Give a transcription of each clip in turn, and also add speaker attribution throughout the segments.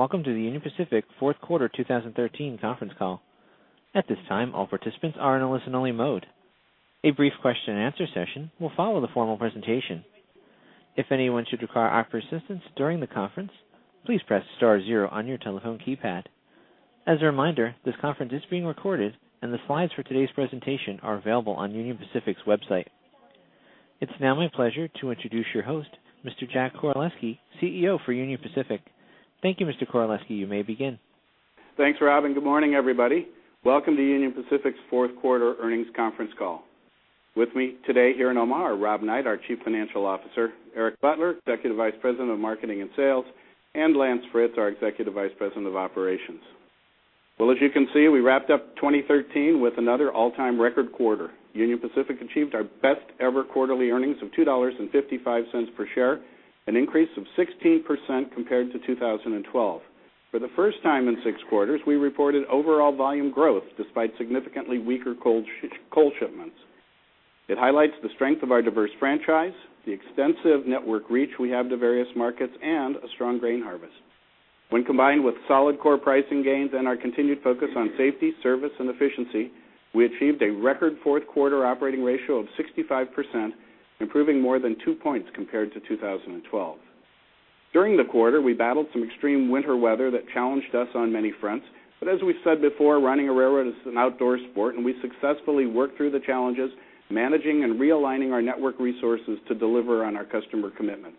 Speaker 1: Welcome to the Union Pacific fourth quarter 2013 conference call. At this time, all participants are in a listen-only mode. A brief question-and-answer session will follow the formal presentation. If anyone should require operator assistance during the conference, please press star zero on your telephone keypad. As a reminder, this conference is being recorded and the slides for today's presentation are available on Union Pacific's website. It's now my pleasure to introduce your host, Mr. Jack Koraleski, CEO for Union Pacific. Thank you, Mr. Koraleski. You may begin.
Speaker 2: Thanks, Rob, and good morning, everybody. Welcome to Union Pacific's fourth quarter earnings conference call. With me today here in Omaha are Rob Knight, our Chief Financial Officer, Eric Butler, Executive Vice President of Marketing and Sales, and Lance Fritz, our Executive Vice President of Operations. Well, as you can see, we wrapped up 2013 with another all-time record quarter. Union Pacific achieved our best-ever quarterly earnings of $2.55 per share, an increase of 16% compared to 2012. For the first time in six quarters, we reported overall volume growth despite significantly weaker coal shipments. It highlights the strength of our diverse franchise, the extensive network reach we have to various markets, and a strong grain harvest. When combined with solid core pricing gains and our continued focus on safety, service, and efficiency, we achieved a record fourth quarter operating ratio of 65%, improving more than two points compared to 2012. During the quarter, we battled some extreme winter weather that challenged us on many fronts. But as we've said before, running a railroad is an outdoor sport, and we successfully worked through the challenges, managing and realigning our network resources to deliver on our customer commitments.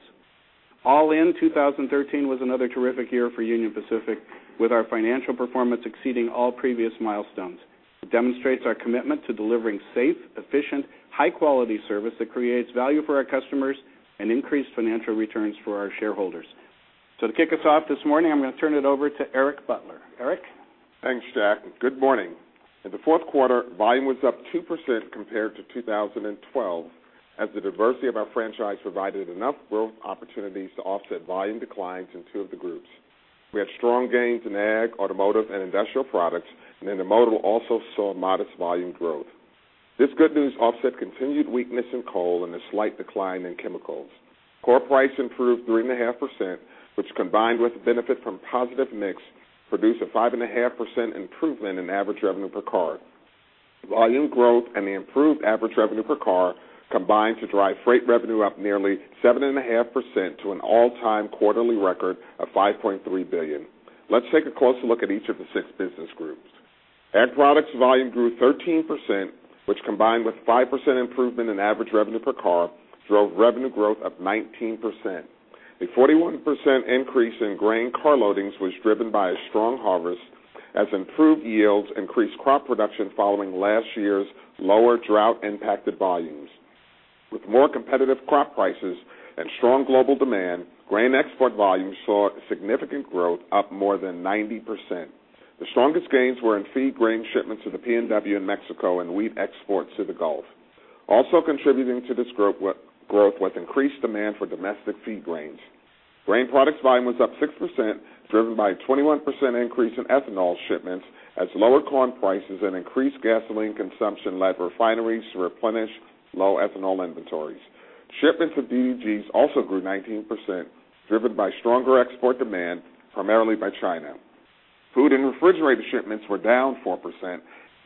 Speaker 2: All in, 2013 was another terrific year for Union Pacific, with our financial performance exceeding all previous milestones. It demonstrates our commitment to delivering safe, efficient, high-quality service that creates value for our customers and increased financial returns for our shareholders. So to kick us off this morning, I'm going to turn it over to Eric Butler. Eric?
Speaker 3: Thanks, Jack. Good morning. In the fourth quarter, volume was up 2% compared to 2012, as the diversity of our franchise provided enough growth opportunities to offset volume declines in two of the groups. We had strong gains in ag, automotive, and industrial products, and intermodal also saw modest volume growth. This good news offset continued weakness in coal and a slight decline in chemicals. Core Price improved 3.5%, which, combined with benefit from positive mix, produced a 5.5% improvement in average revenue per car. Volume growth and the improved average revenue per car combined to drive freight revenue up nearly 7.5% to an all-time quarterly record of $5.3 billion. Let's take a closer look at each of the six business groups. Ag products volume grew 13%, which, combined with 5% improvement in average revenue per car, drove revenue growth of 19%. A 41% increase in grain car loadings was driven by a strong harvest as improved yields increased crop production following last year's lower drought-impacted volumes. With more competitive crop prices and strong global demand, grain export volumes saw significant growth, up more than 90%. The strongest gains were in feed grain shipments to the PNW and Mexico and wheat exports to the Gulf. Also contributing to this growth was increased demand for domestic feed grains. Grain products volume was up 6%, driven by a 21% increase in ethanol shipments as lower corn prices and increased gasoline consumption led refineries to replenish low ethanol inventories. Shipments of DDGs also grew 19%, driven by stronger export demand, primarily by China. Food and refrigerated shipments were down 4%.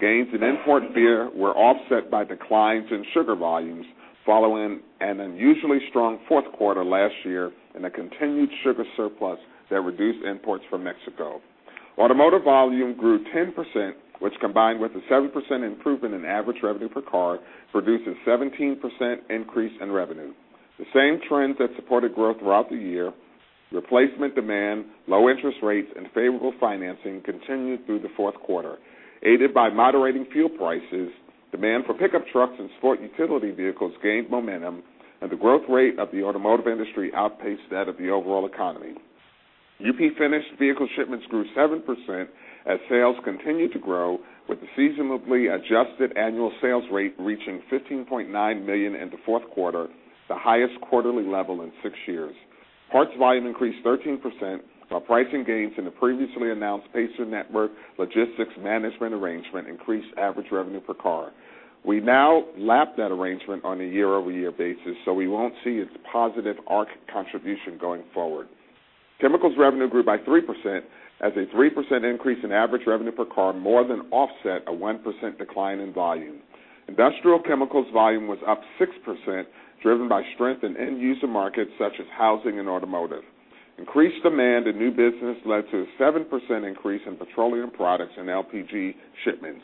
Speaker 3: Gains in import beer were offset by declines in sugar volumes, following an unusually strong fourth quarter last year and a continued sugar surplus that reduced imports from Mexico. Automotive volume grew 10%, which, combined with a 7% improvement in average revenue per car, produces 17% increase in revenue. The same trends that supported growth throughout the year, replacement demand, low interest rates, and favorable financing continued through the fourth quarter. Aided by moderating fuel prices, demand for pickup trucks and sport utility vehicles gained momentum, and the growth rate of the automotive industry outpaced that of the overall economy. UP finished vehicle shipments grew 7% as sales continued to grow, with the seasonally adjusted annual sales rate reaching $15.9 million in the fourth quarter, the highest quarterly level in six years. Parts volume increased 13%, while pricing gains in the previously announced Pacer Network Logistics Management arrangement increased average revenue per car. We now lap that arrangement on a year-over-year basis, so we won't see its positive arc contribution going forward. Chemicals revenue grew by 3%, as a 3% increase in average revenue per car more than offset a 1% decline in volume. Industrial chemicals volume was up 6%, driven by strength in end-user markets such as housing and automotive. Increased demand and new business led to a 7% increase in petroleum products and LPG shipments.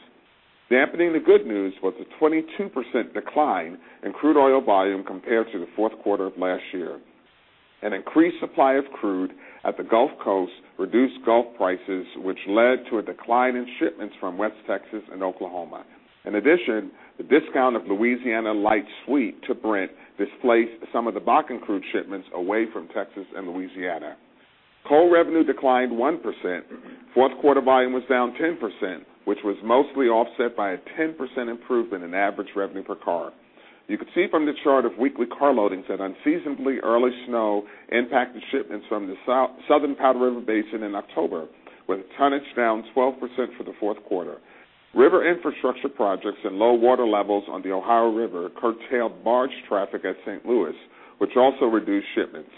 Speaker 3: Dampening the good news was a 22% decline in crude oil volume compared to the fourth quarter of last year. An increased supply of crude at the Gulf Coast reduced Gulf prices, which led to a decline in shipments from West Texas and Oklahoma. In addition, the discount of Louisiana Light Sweet to Brent displaced some of the Bakken crude shipments away from Texas and Louisiana. Coal revenue declined 1%. Fourth quarter volume was down 10%, which was mostly offset by a 10% improvement in average revenue per car. You can see from the chart of weekly car loadings that unseasonably early snow impacted shipments from the Southern Powder River Basin in October, with tonnage down 12% for the fourth quarter. River infrastructure projects and low water levels on the Ohio River curtailed barge traffic at St. Louis, which also reduced shipments.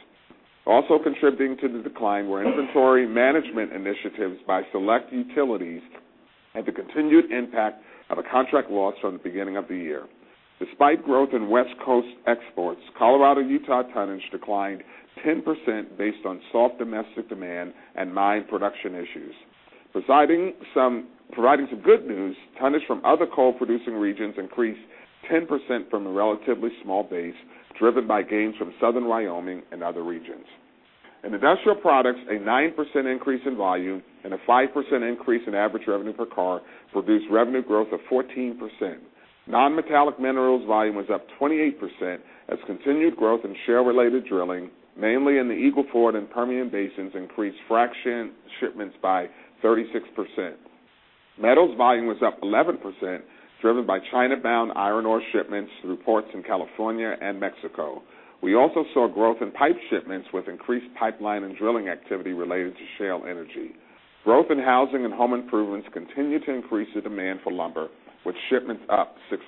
Speaker 3: Also contributing to the decline were inventory management initiatives by select utilities and the continued impact of a contract loss from the beginning of the year. Despite growth in West Coast exports, Colorado-Utah tonnage declined 10% based on soft domestic demand and mine production issues. Providing some good news, tonnage from other coal-producing regions increased 10% from a relatively small base, driven by gains from Southern Wyoming and other regions. In Industrial Products, a 9% increase in volume and a 5% increase in average revenue per car produced revenue growth of 14%. Nonmetallic minerals volume was up 28%, as continued growth in shale-related drilling, mainly in the Eagle Ford and Permian Basins, increased frac sand shipments by 36%. Metals volume was up 11%, driven by China-bound iron ore shipments through ports in California and Mexico. We also saw growth in pipe shipments, with increased pipeline and drilling activity related to shale energy. Growth in housing and home improvements continued to increase the demand for lumber, with shipments up 6%.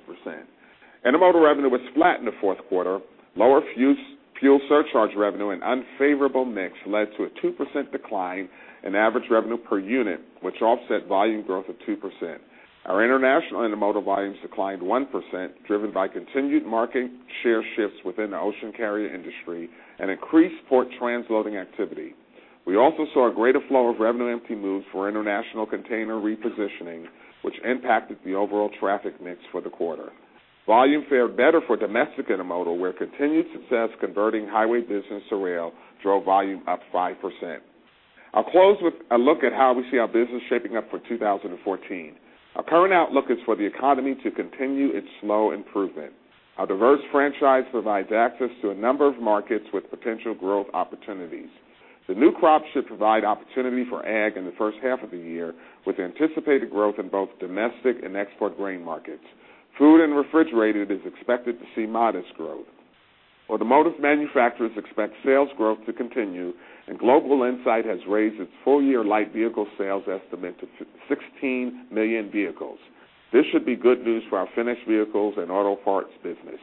Speaker 3: Intermodal revenue was flat in the fourth quarter. Lower fuel surcharge revenue and unfavorable mix led to a 2% decline in average revenue per unit, which offset volume growth of 2%. Our international intermodal volumes declined 1%, driven by continued market share shifts within the ocean carrier industry and increased port transloading activity. We also saw a greater flow of revenue empty moves for international container repositioning, which impacted the overall traffic mix for the quarter. Volume fared better for domestic intermodal, where continued success converting highway business to rail drove volume up 5%. I'll close with a look at how we see our business shaping up for 2014. Our current outlook is for the economy to continue its slow improvement. Our diverse franchise provides access to a number of markets with potential growth opportunities. The new crop should provide opportunity for ag in the first half of the year, with anticipated growth in both domestic and export grain markets. Food and refrigerated is expected to see modest growth. Automotive manufacturers expect sales growth to continue, and Global Insight has raised its full-year light vehicle sales estimate to 16 million vehicles. This should be good news for our finished vehicles and auto parts business.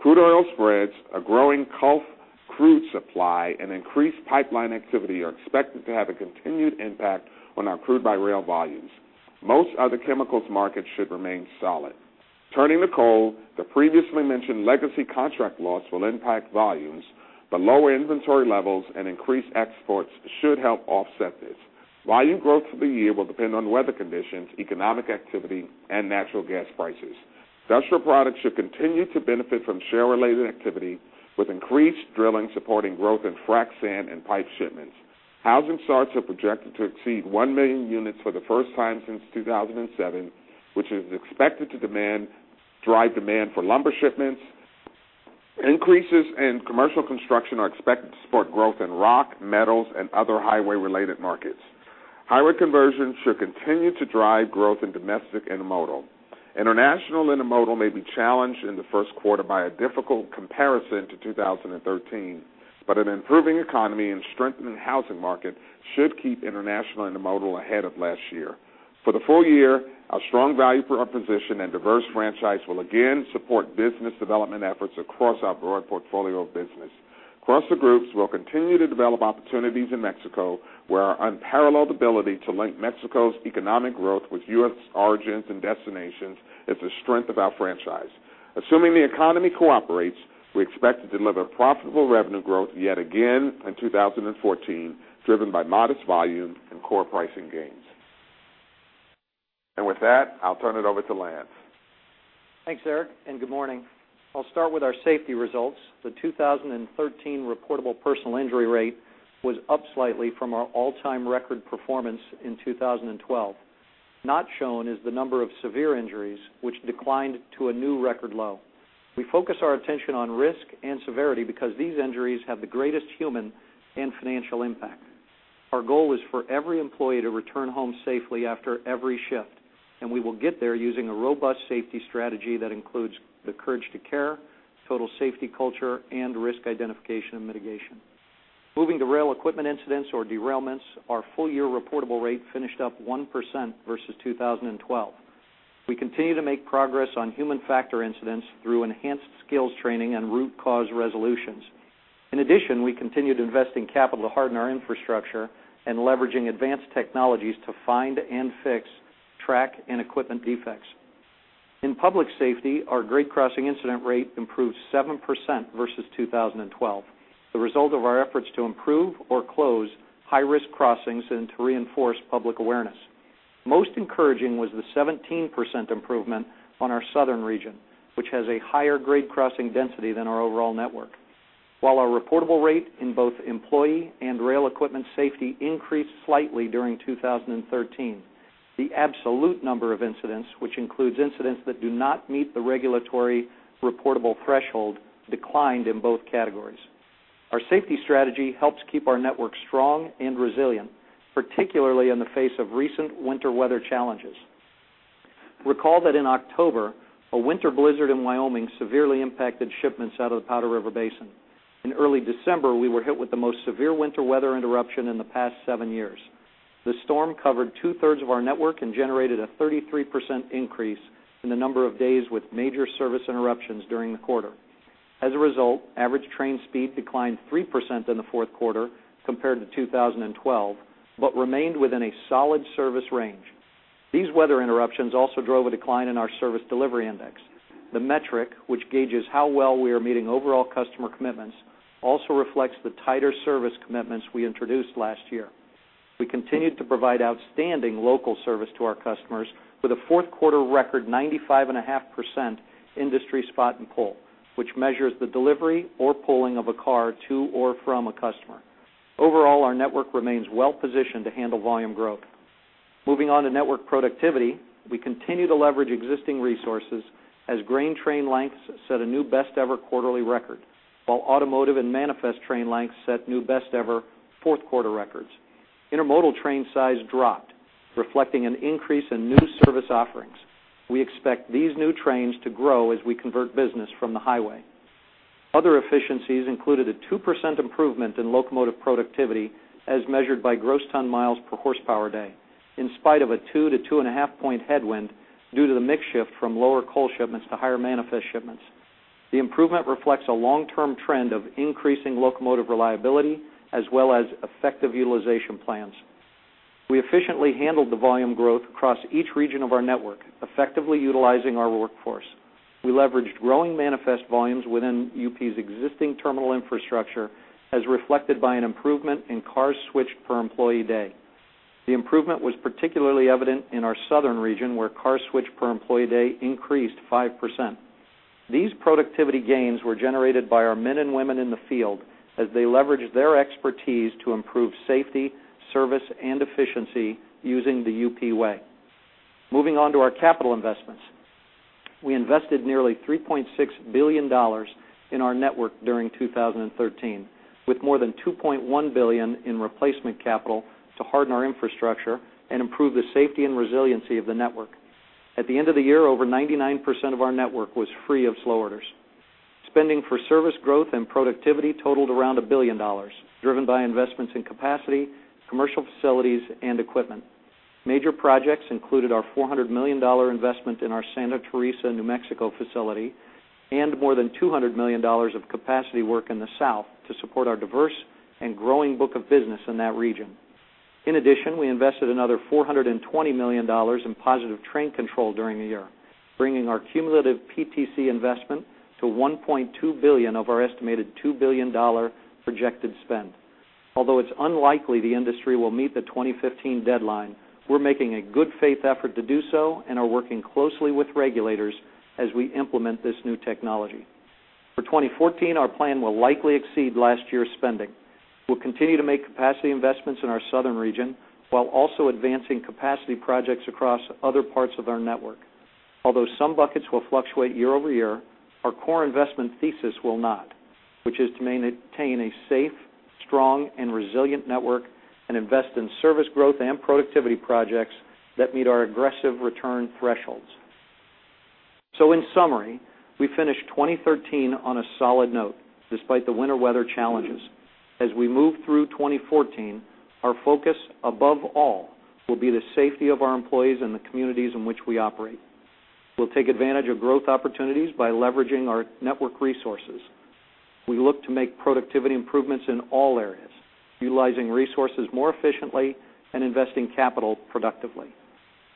Speaker 3: Crude oil spreads, a growing Gulf crude supply, and increased pipeline activity are expected to have a continued impact on our crude-by-rail volumes. Most other chemicals markets should remain solid. Turning to coal, the previously mentioned legacy contract loss will impact volumes, but lower inventory levels and increased exports should help offset this. Volume growth for the year will depend on weather conditions, economic activity, and natural gas prices. Industrial products should continue to benefit from shale-related activity, with increased drilling supporting growth in frac sand and pipe shipments. Housing starts are projected to exceed 1 million units for the first time since 2007, which is expected to drive demand for lumber shipments. Increases in commercial construction are expected to support growth in rock, metals, and other highway-related markets. Highway conversion should continue to drive growth in domestic intermodal. International intermodal may be challenged in the first quarter by a difficult comparison to 2013, but an improving economy and strengthening housing market should keep international intermodal ahead of last year. For the full year, our strong value proposition and diverse franchise will again support business development efforts across our broad portfolio of business. Across the groups, we'll continue to develop opportunities in Mexico, where our unparalleled ability to link Mexico's economic growth with U.S. origins and destinations is the strength of our franchise. Assuming the economy cooperates, we expect to deliver profitable revenue growth yet again in 2014, driven by modest volume and core pricing gains. And with that, I'll turn it over to Lance.
Speaker 4: Thanks, Eric, and good morning. I'll start with our safety results. The 2013 reportable personal injury rate was up slightly from our all-time record performance in 2012. Not shown is the number of severe injuries, which declined to a new record low. We focus our attention on risk and severity because these injuries have the greatest human and financial impact. Our goal is for every employee to return home safely after every shift, and we will get there using a robust safety strategy that includes the Courage to Care, Total Safety Culture, and Risk Identification and Mitigation. Moving to rail equipment incidents or derailments, our full-year reportable rate finished up 1% versus 2012. We continue to make progress on human factor incidents through enhanced skills training and root cause resolutions. In addition, we continued investing capital to harden our infrastructure and leveraging advanced technologies to find and fix track and equipment defects. In public safety, our grade crossing incident rate improved 7% versus 2012, the result of our efforts to improve or close high-risk crossings and to reinforce public awareness. Most encouraging was the 17% improvement on our southern region, which has a higher grade crossing density than our overall network. While our reportable rate in both employee and rail equipment safety increased slightly during 2013, the absolute number of incidents, which includes incidents that do not meet the regulatory reportable threshold, declined in both categories. Our safety strategy helps keep our network strong and resilient, particularly in the face of recent winter weather challenges. Recall that in October, a winter blizzard in Wyoming severely impacted shipments out of the Powder River Basin... In early December, we were hit with the most severe winter weather interruption in the past seven years. The storm covered 2/3 of our network and generated a 33% increase in the number of days with major service interruptions during the quarter. As a result, average train speed declined 3% in the fourth quarter compared to 2012, but remained within a solid service range. These weather interruptions also drove a decline in our service delivery index. The metric, which gauges how well we are meeting overall customer commitments, also reflects the tighter service commitments we introduced last year. We continued to provide outstanding local service to our customers with a fourth quarter record 95.5% Industry Spot and Pull, which measures the delivery or pulling of a car to or from a customer. Overall, our network remains well-positioned to handle volume growth. Moving on to network productivity, we continue to leverage existing resources as grain train lengths set a new best-ever quarterly record, while automotive and manifest train lengths set new best-ever fourth quarter records. Intermodal train size dropped, reflecting an increase in new service offerings. We expect these new trains to grow as we convert business from the highway. Other efficiencies included a 2% improvement in locomotive productivity, as measured by Gross Ton Miles per horsepower day, in spite of a two to two point headwind due to the mix shift from lower coal shipments to higher manifest shipments. The improvement reflects a long-term trend of increasing locomotive reliability as well as effective utilization plans. We efficiently handled the volume growth across each region of our network, effectively utilizing our workforce. We leveraged growing manifest volumes within UP's existing terminal infrastructure, as reflected by an improvement in cars switched per employee day. The improvement was particularly evident in our southern region, where cars switched per employee day increased 5%. These productivity gains were generated by our men and women in the field as they leveraged their expertise to improve safety, service, and efficiency using the UP Way. Moving on to our capital investments. We invested nearly $3.6 billion in our network during 2013, with more than $2.1 billion in replacement capital to harden our infrastructure and improve the safety and resiliency of the network. At the end of the year, over 99% of our network was free of slow orders. Spending for service growth and productivity totaled around $1 billion, driven by investments in capacity, commercial facilities, and equipment. Major projects included our $400 million investment in our Santa Teresa, New Mexico, facility and more than $200 million of capacity work in the South to support our diverse and growing book of business in that region. In addition, we invested another $420 million in Positive Train Control during the year, bringing our cumulative PTC investment to $1.2 billion of our estimated $2 billion projected spend. Although it's unlikely the industry will meet the 2015 deadline, we're making a good faith effort to do so and are working closely with regulators as we implement this new technology. For 2014, our plan will likely exceed last year's spending. We'll continue to make capacity investments in our southern region while also advancing capacity projects across other parts of our network. Although some buckets will fluctuate year-over-year, our core investment thesis will not, which is to maintain a safe, strong, and resilient network and invest in service growth and productivity projects that meet our aggressive return thresholds. So in summary, we finished 2013 on a solid note, despite the winter weather challenges. As we move through 2014, our focus, above all, will be the safety of our employees and the communities in which we operate. We'll take advantage of growth opportunities by leveraging our network resources. We look to make productivity improvements in all areas, utilizing resources more efficiently and investing capital productively.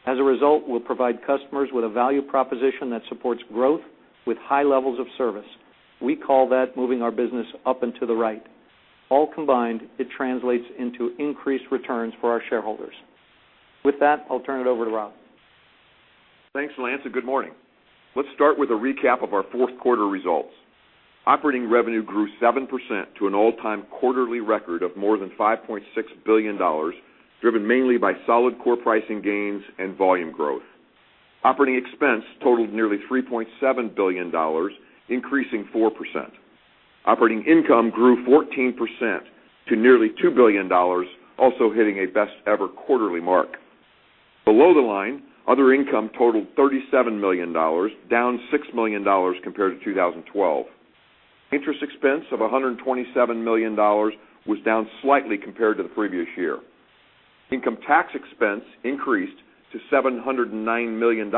Speaker 4: As a result, we'll provide customers with a value proposition that supports growth with high levels of service. We call that moving our business up and to the right. All combined, it translates into increased returns for our shareholders. With that, I'll turn it over to Rob.
Speaker 5: Thanks, Lance, and good morning. Let's start with a recap of our fourth quarter results. Operating revenue grew 7% to an all-time quarterly record of more than $5.6 billion, driven mainly by solid core pricing gains and volume growth. Operating expense totaled nearly $3.7 billion, increasing 4%. Operating income grew 14% to nearly $2 billion, also hitting a best-ever quarterly mark. Below the line, other income totaled $37 million, down $6 million compared to 2012. Interest expense of $127 million was down slightly compared to the previous year. Income tax expense increased to $709 million,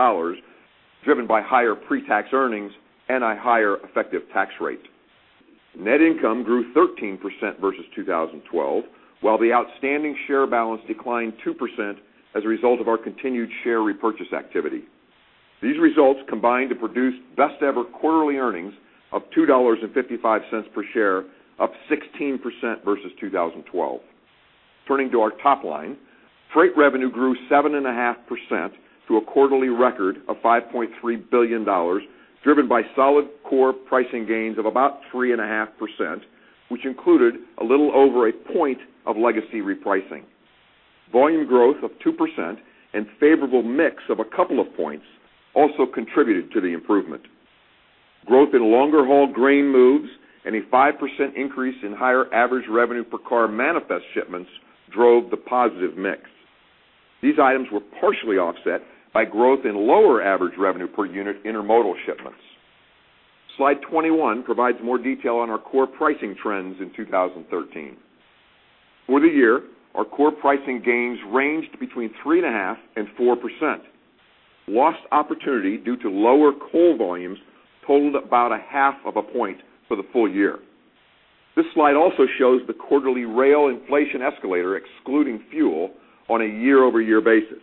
Speaker 5: driven by higher pretax earnings and a higher effective tax rate. Net income grew 13% versus 2012, while the outstanding share balance declined 2% as a result of our continued share repurchase activity. These results combined to produce best-ever quarterly earnings of $2.55 per share, up 16% versus 2012. Turning to our top line, freight revenue grew 7.5% to a quarterly record of $5.3 billion, driven by solid core pricing gains of about 3.5%, which included a little over a point of legacy repricing. Volume growth of 2% and favorable mix of a couple of points also contributed to the improvement. Growth in longer-haul grain moves and a 5% increase in higher average revenue per car manifest shipments drove the positive mix.... These items were partially offset by growth in lower average revenue per unit intermodal shipments. Slide 21 provides more detail on our core pricing trends in 2013. For the year, our core pricing gains ranged between 3.5%-4%. Lost opportunity due to lower coal volumes totaled about 0.5 point for the full year. This slide also shows the quarterly rail inflation escalator, excluding fuel, on a year-over-year basis.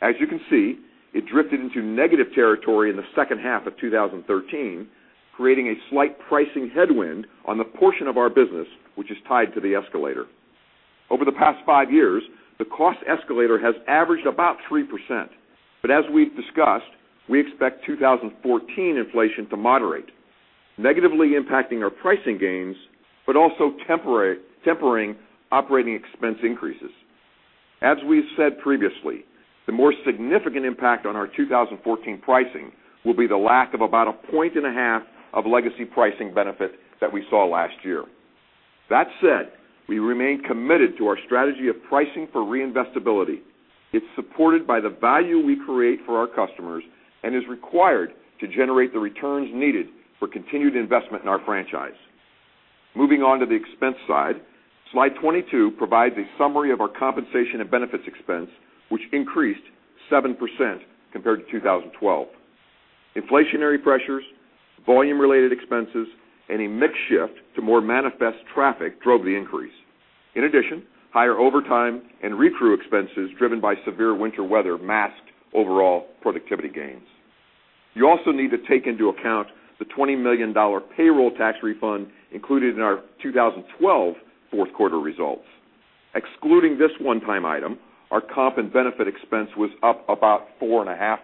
Speaker 5: As you can see, it drifted into negative territory in the second half of 2013, creating a slight pricing headwind on the portion of our business, which is tied to the escalator. Over the past five years, the cost escalator has averaged about 3%, but as we've discussed, we expect 2014 inflation to moderate, negatively impacting our pricing gains, but also temporarily tempering operating expense increases. As we've said previously, the more significant impact on our 2014 pricing will be the lack of about 1.5 points of legacy pricing benefit that we saw last year. That said, we remain committed to our strategy of pricing for reinvestability. It's supported by the value we create for our customers and is required to generate the returns needed for continued investment in our franchise. Moving on to the expense side, slide 22 provides a summary of our compensation and benefits expense, which increased 7% compared to 2012. Inflationary pressures, volume-related expenses, and a mix shift to more manifest traffic drove the increase. In addition, higher overtime and recrew expenses, driven by severe winter weather, masked overall productivity gains. You also need to take into account the $20 million payroll tax refund included in our 2012 fourth quarter results. Excluding this one-time item, our comp and benefit expense was up about 4.5%.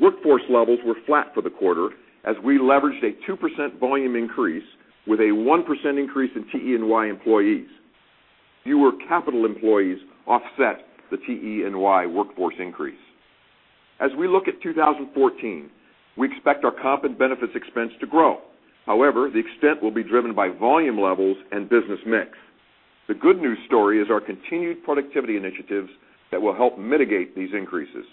Speaker 5: Workforce levels were flat for the quarter as we leveraged a 2% volume increase with a 1% increase in TE&Y employees. Fewer capital employees offset the TE&Y workforce increase. As we look at 2014, we expect our comp and benefits expense to grow. However, the extent will be driven by volume levels and business mix. The good news story is our continued productivity initiatives that will help mitigate these increases.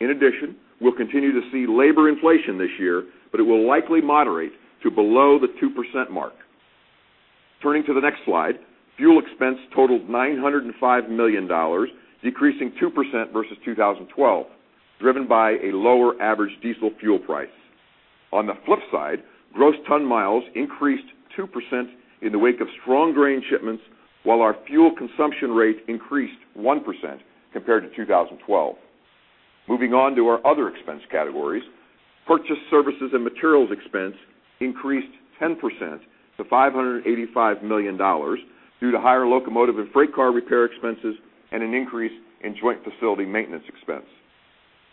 Speaker 5: In addition, we'll continue to see labor inflation this year, but it will likely moderate to below the 2% mark. Turning to the next slide, fuel expense totaled $905 million, decreasing 2% versus 2012, driven by a lower average diesel fuel price. On the flip side, gross ton miles increased 2% in the wake of strong grain shipments, while our fuel consumption rate increased 1% compared to 2012. Moving on to our other expense categories, purchase services and materials expense increased 10% to $585 million due to higher locomotive and freight car repair expenses and an increase in joint facility maintenance expense.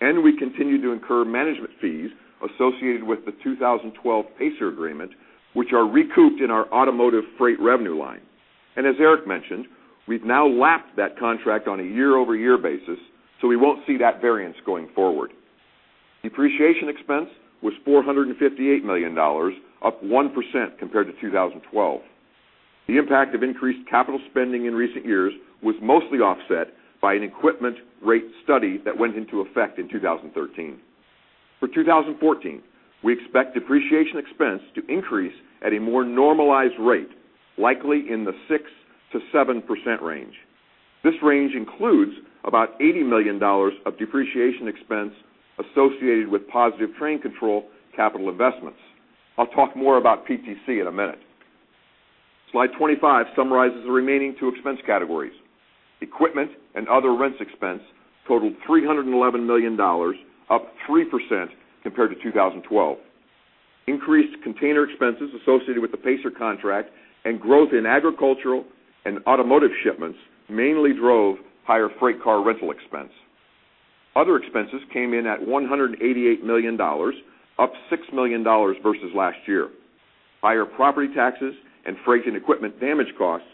Speaker 5: We continued to incur management fees associated with the 2012 Pacer agreement, which are recouped in our automotive freight revenue line. As Eric mentioned, we've now lapped that contract on a year-over-year basis, so we won't see that variance going forward. Depreciation expense was $458 million, up 1% compared to 2012. The impact of increased capital spending in recent years was mostly offset by an equipment rate study that went into effect in 2013. For 2014, we expect depreciation expense to increase at a more normalized rate, likely in the 6%-7% range. This range includes about $80 million of depreciation expense associated with positive train control capital investments. I'll talk more about PTC in a minute. Slide 25 summarizes the remaining two expense categories. Equipment and other rents expense totaled $311 million, up 3% compared to 2012. Increased container expenses associated with the Pacer contract and growth in agricultural and automotive shipments mainly drove higher freight car rental expense. Other expenses came in at $188 million, up $6 million versus last year. Higher property taxes and freight and equipment damage costs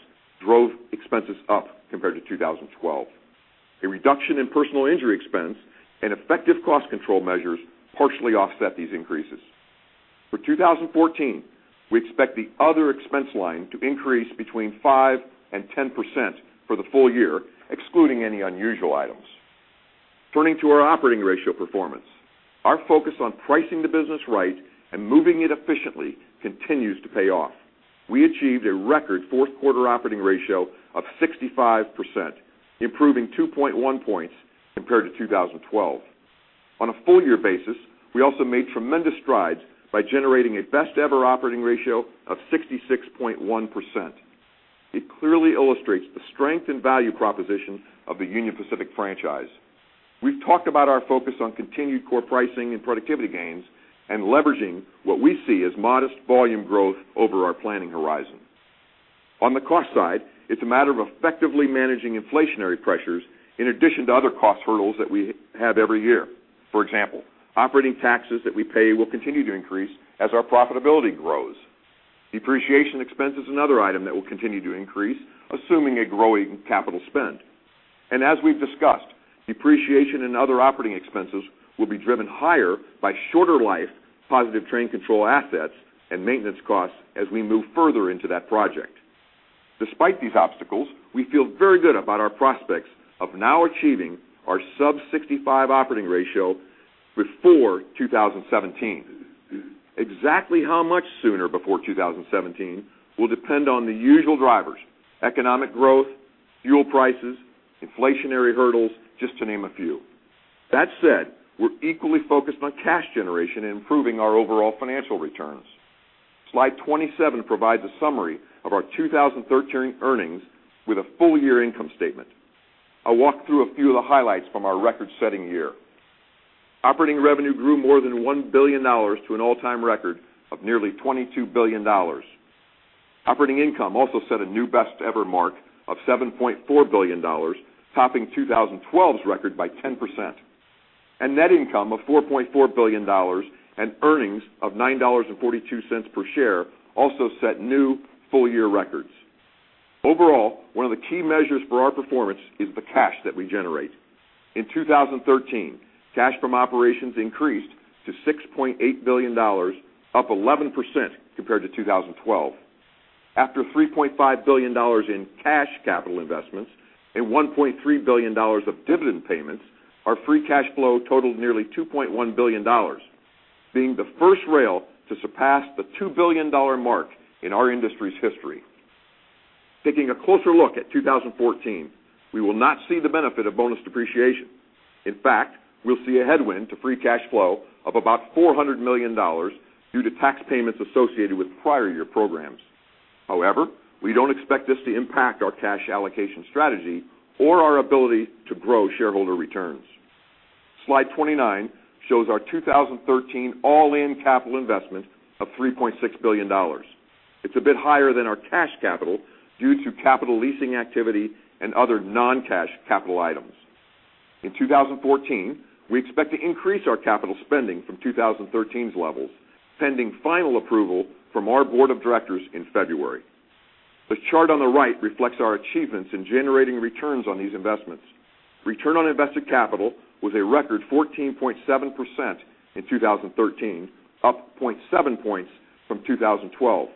Speaker 5: drove expenses up compared to 2012. A reduction in personal injury expense and effective cost control measures partially offset these increases. For 2014, we expect the other expense line to increase between 5% and 10% for the full year, excluding any unusual items. Turning to our operating ratio performance, our focus on pricing the business right and moving it efficiently continues to pay off. We achieved a record fourth quarter operating ratio of 65%, improving 2.1 points compared to 2012. On a full year basis, we also made tremendous strides by generating a best-ever operating ratio of 66.1%. It clearly illustrates the strength and value proposition of the Union Pacific franchise. We've talked about our focus on continued core pricing and productivity gains and leveraging what we see as modest volume growth over our planning horizon. On the cost side, it's a matter of effectively managing inflationary pressures in addition to other cost hurdles that we have every year. For example, operating taxes that we pay will continue to increase as our profitability grows. Depreciation expense is another item that will continue to increase, assuming a growing capital spend. And as we've discussed, depreciation and other operating expenses will be driven higher by shorter-life Positive Train Control assets and maintenance costs as we move further into that project. Despite these obstacles, we feel very good about our prospects of now achieving our sub-65 operating ratio before 2017. Exactly how much sooner before 2017 will depend on the usual drivers: economic growth, fuel prices, inflationary hurdles, just to name a few. That said, we're equally focused on cash generation and improving our overall financial returns. Slide 27 provides a summary of our 2013 earnings with a full-year income statement. I'll walk through a few of the highlights from our record-setting year. Operating revenue grew more than $1 billion to an all-time record of nearly $22 billion. Operating income also set a new best-ever mark of $7.4 billion, topping 2012's record by 10%. And net income of $4.4 billion and earnings of $9.42 per share also set new full-year records. Overall, one of the key measures for our performance is the cash that we generate. In 2013, cash from operations increased to $6.8 billion, up 11% compared to 2012. After $3.5 billion in cash capital investments and $1.3 billion of dividend payments, our free cash flow totaled nearly $2.1 billion, being the first rail to surpass the $2 billion mark in our industry's history. Taking a closer look at 2014, we will not see the benefit of bonus depreciation. In fact, we'll see a headwind to free cash flow of about $400 million due to tax payments associated with prior year programs. However, we don't expect this to impact our cash allocation strategy or our ability to grow shareholder returns. Slide 29 shows our 2013 all-in capital investment of $3.6 billion. It's a bit higher than our cash capital due to capital leasing activity and other non-cash capital items. In 2014, we expect to increase our capital spending from 2013's levels, pending final approval from our board of directors in February. The chart on the right reflects our achievements in generating returns on these investments. Return on invested capital was a record 14.7% in 2013, up 0.7 points from 2012.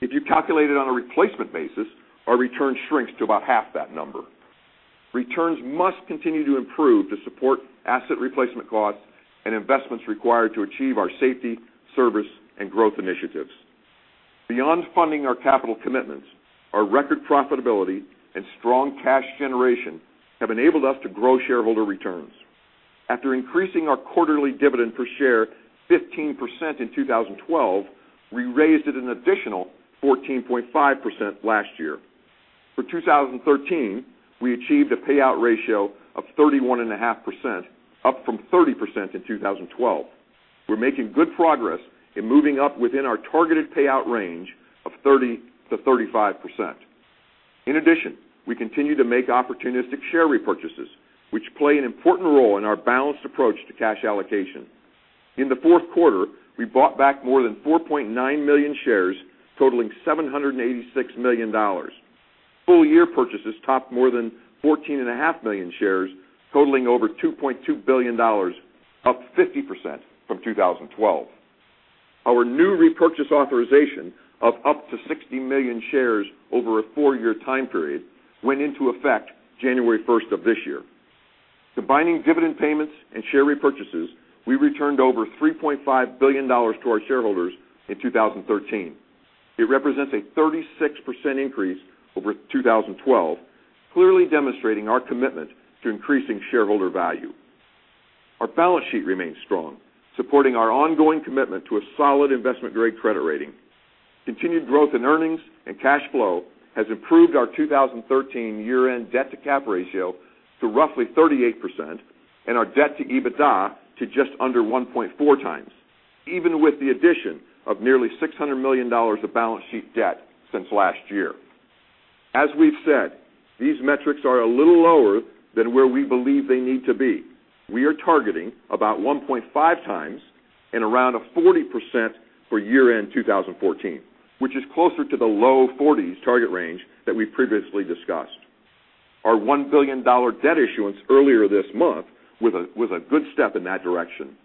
Speaker 5: If you calculate it on a replacement basis, our return shrinks to about half that number. Returns must continue to improve to support asset replacement costs and investments required to achieve our safety, service, and growth initiatives. Beyond funding our capital commitments, our record profitability and strong cash generation have enabled us to grow shareholder returns. After increasing our quarterly dividend per share 15% in 2012, we raised it an additional 14.5% last year. For 2013, we achieved a payout ratio of 31.5%, up from 30% in 2012. We're making good progress in moving up within our targeted payout range of 30%-35%. In addition, we continue to make opportunistic share repurchases, which play an important role in our balanced approach to cash allocation. In the fourth quarter, we bought back more than 4.9 million shares, totaling $786 million. Full-year purchases topped more than 14.5 million shares, totaling over $2.2 billion, up 50% from 2012. Our new repurchase authorization of up to 60 million shares over a 4-year time period went into effect January 1st of this year. Combining dividend payments and share repurchases, we returned over $3.5 billion to our shareholders in 2013. It represents a 36% increase over 2012, clearly demonstrating our commitment to increasing shareholder value. Our balance sheet remains strong, supporting our ongoing commitment to a solid investment-grade credit rating. Continued growth in earnings and cash flow has improved our 2013 year-end debt-to-cap ratio to roughly 38% and our debt to EBITDA to just under 1.4x, even with the addition of nearly $600 million of balance sheet debt since last year. As we've said, these metrics are a little lower than where we believe they need to be. We are targeting about 1.5x and around 40% for year-end 2014, which is closer to the low 40s target range that we previously discussed. Our $1 billion debt issuance earlier this month was a good step in that direction.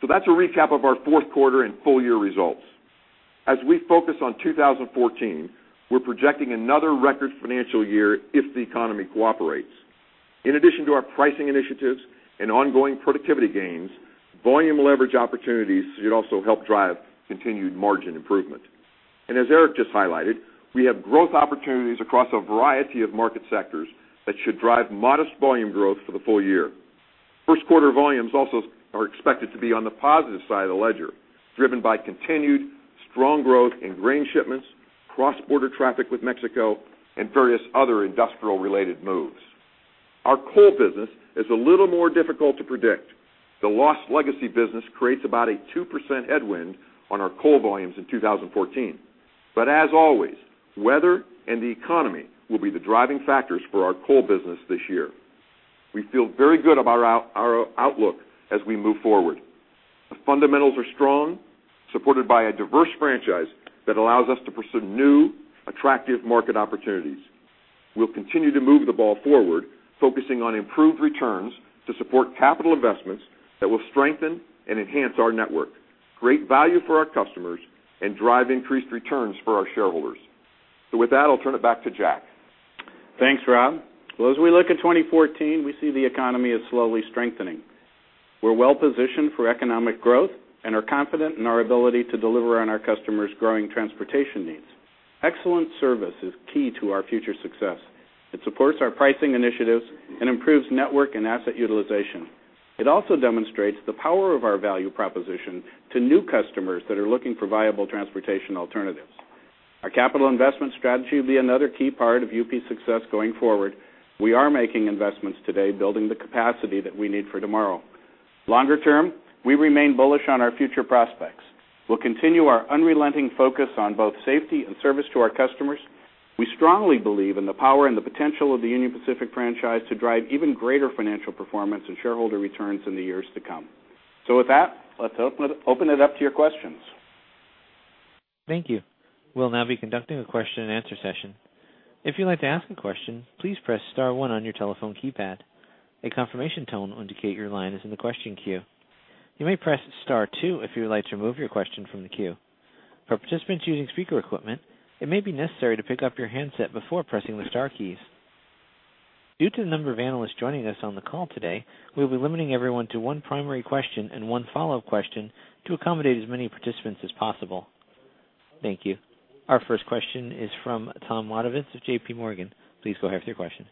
Speaker 5: So that's a recap of our fourth quarter and full-year results. As we focus on 2014, we're projecting another record financial year if the economy cooperates. In addition to our pricing initiatives and ongoing productivity gains, volume leverage opportunities should also help drive continued margin improvement. As Eric just highlighted, we have growth opportunities across a variety of market sectors that should drive modest volume growth for the full year. First quarter volumes also are expected to be on the positive side of the ledger, driven by continued strong growth in grain shipments, cross-border traffic with Mexico, and various other industrial-related moves. Our coal business is a little more difficult to predict. The lost legacy business creates about a 2% headwind on our coal volumes in 2014. But as always, weather and the economy will be the driving factors for our coal business this year. We feel very good about our outlook as we move forward. ...The fundamentals are strong, supported by a diverse franchise that allows us to pursue new, attractive market opportunities. We'll continue to move the ball forward, focusing on improved returns to support capital investments that will strengthen and enhance our network, create value for our customers, and drive increased returns for our shareholders. With that, I'll turn it back to Jack.
Speaker 2: Thanks, Rob. Well, as we look at 2014, we see the economy is slowly strengthening. We're well-positioned for economic growth and are confident in our ability to deliver on our customers' growing transportation needs. Excellent service is key to our future success. It supports our pricing initiatives and improves network and asset utilization. It also demonstrates the power of our value proposition to new customers that are looking for viable transportation alternatives. Our capital investment strategy will be another key part of UP's success going forward. We are making investments today, building the capacity that we need for tomorrow. Longer term, we remain bullish on our future prospects. We'll continue our unrelenting focus on both safety and service to our customers. We strongly believe in the power and the potential of the Union Pacific franchise to drive even greater financial performance and shareholder returns in the years to come. With that, let's open it up to your questions.
Speaker 1: Thank you. We'll now be conducting a question-and-answer session. If you'd like to ask a question, please press star one on your telephone keypad. A confirmation tone will indicate your line is in the question queue. You may press star two if you would like to remove your question from the queue. For participants using speaker equipment, it may be necessary to pick up your handset before pressing the star keys. Due to the number of analysts joining us on the call today, we'll be limiting everyone to one primary question and one follow-up question to accommodate as many participants as possible. Thank you. Our first question is from Tom Wadovitz of JPMorgan. Please go ahead with your question.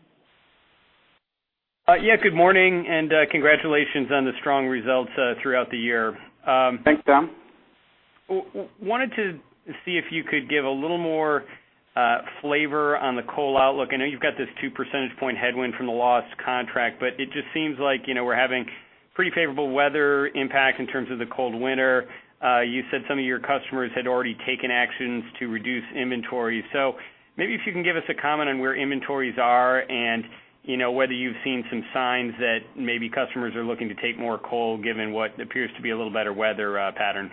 Speaker 6: Yeah, good morning, and congratulations on the strong results throughout the year.
Speaker 2: Thanks, Tom.
Speaker 6: Wanted to see if you could give a little more flavor on the coal outlook. I know you've got this 2% point headwind from the lost contract, but it just seems like, you know, we're having pretty favorable weather impact in terms of the cold winter. You said some of your customers had already taken actions to reduce inventory. So maybe if you can give us a comment on where inventories are and, you know, whether you've seen some signs that maybe customers are looking to take more coal, given what appears to be a little better weather pattern.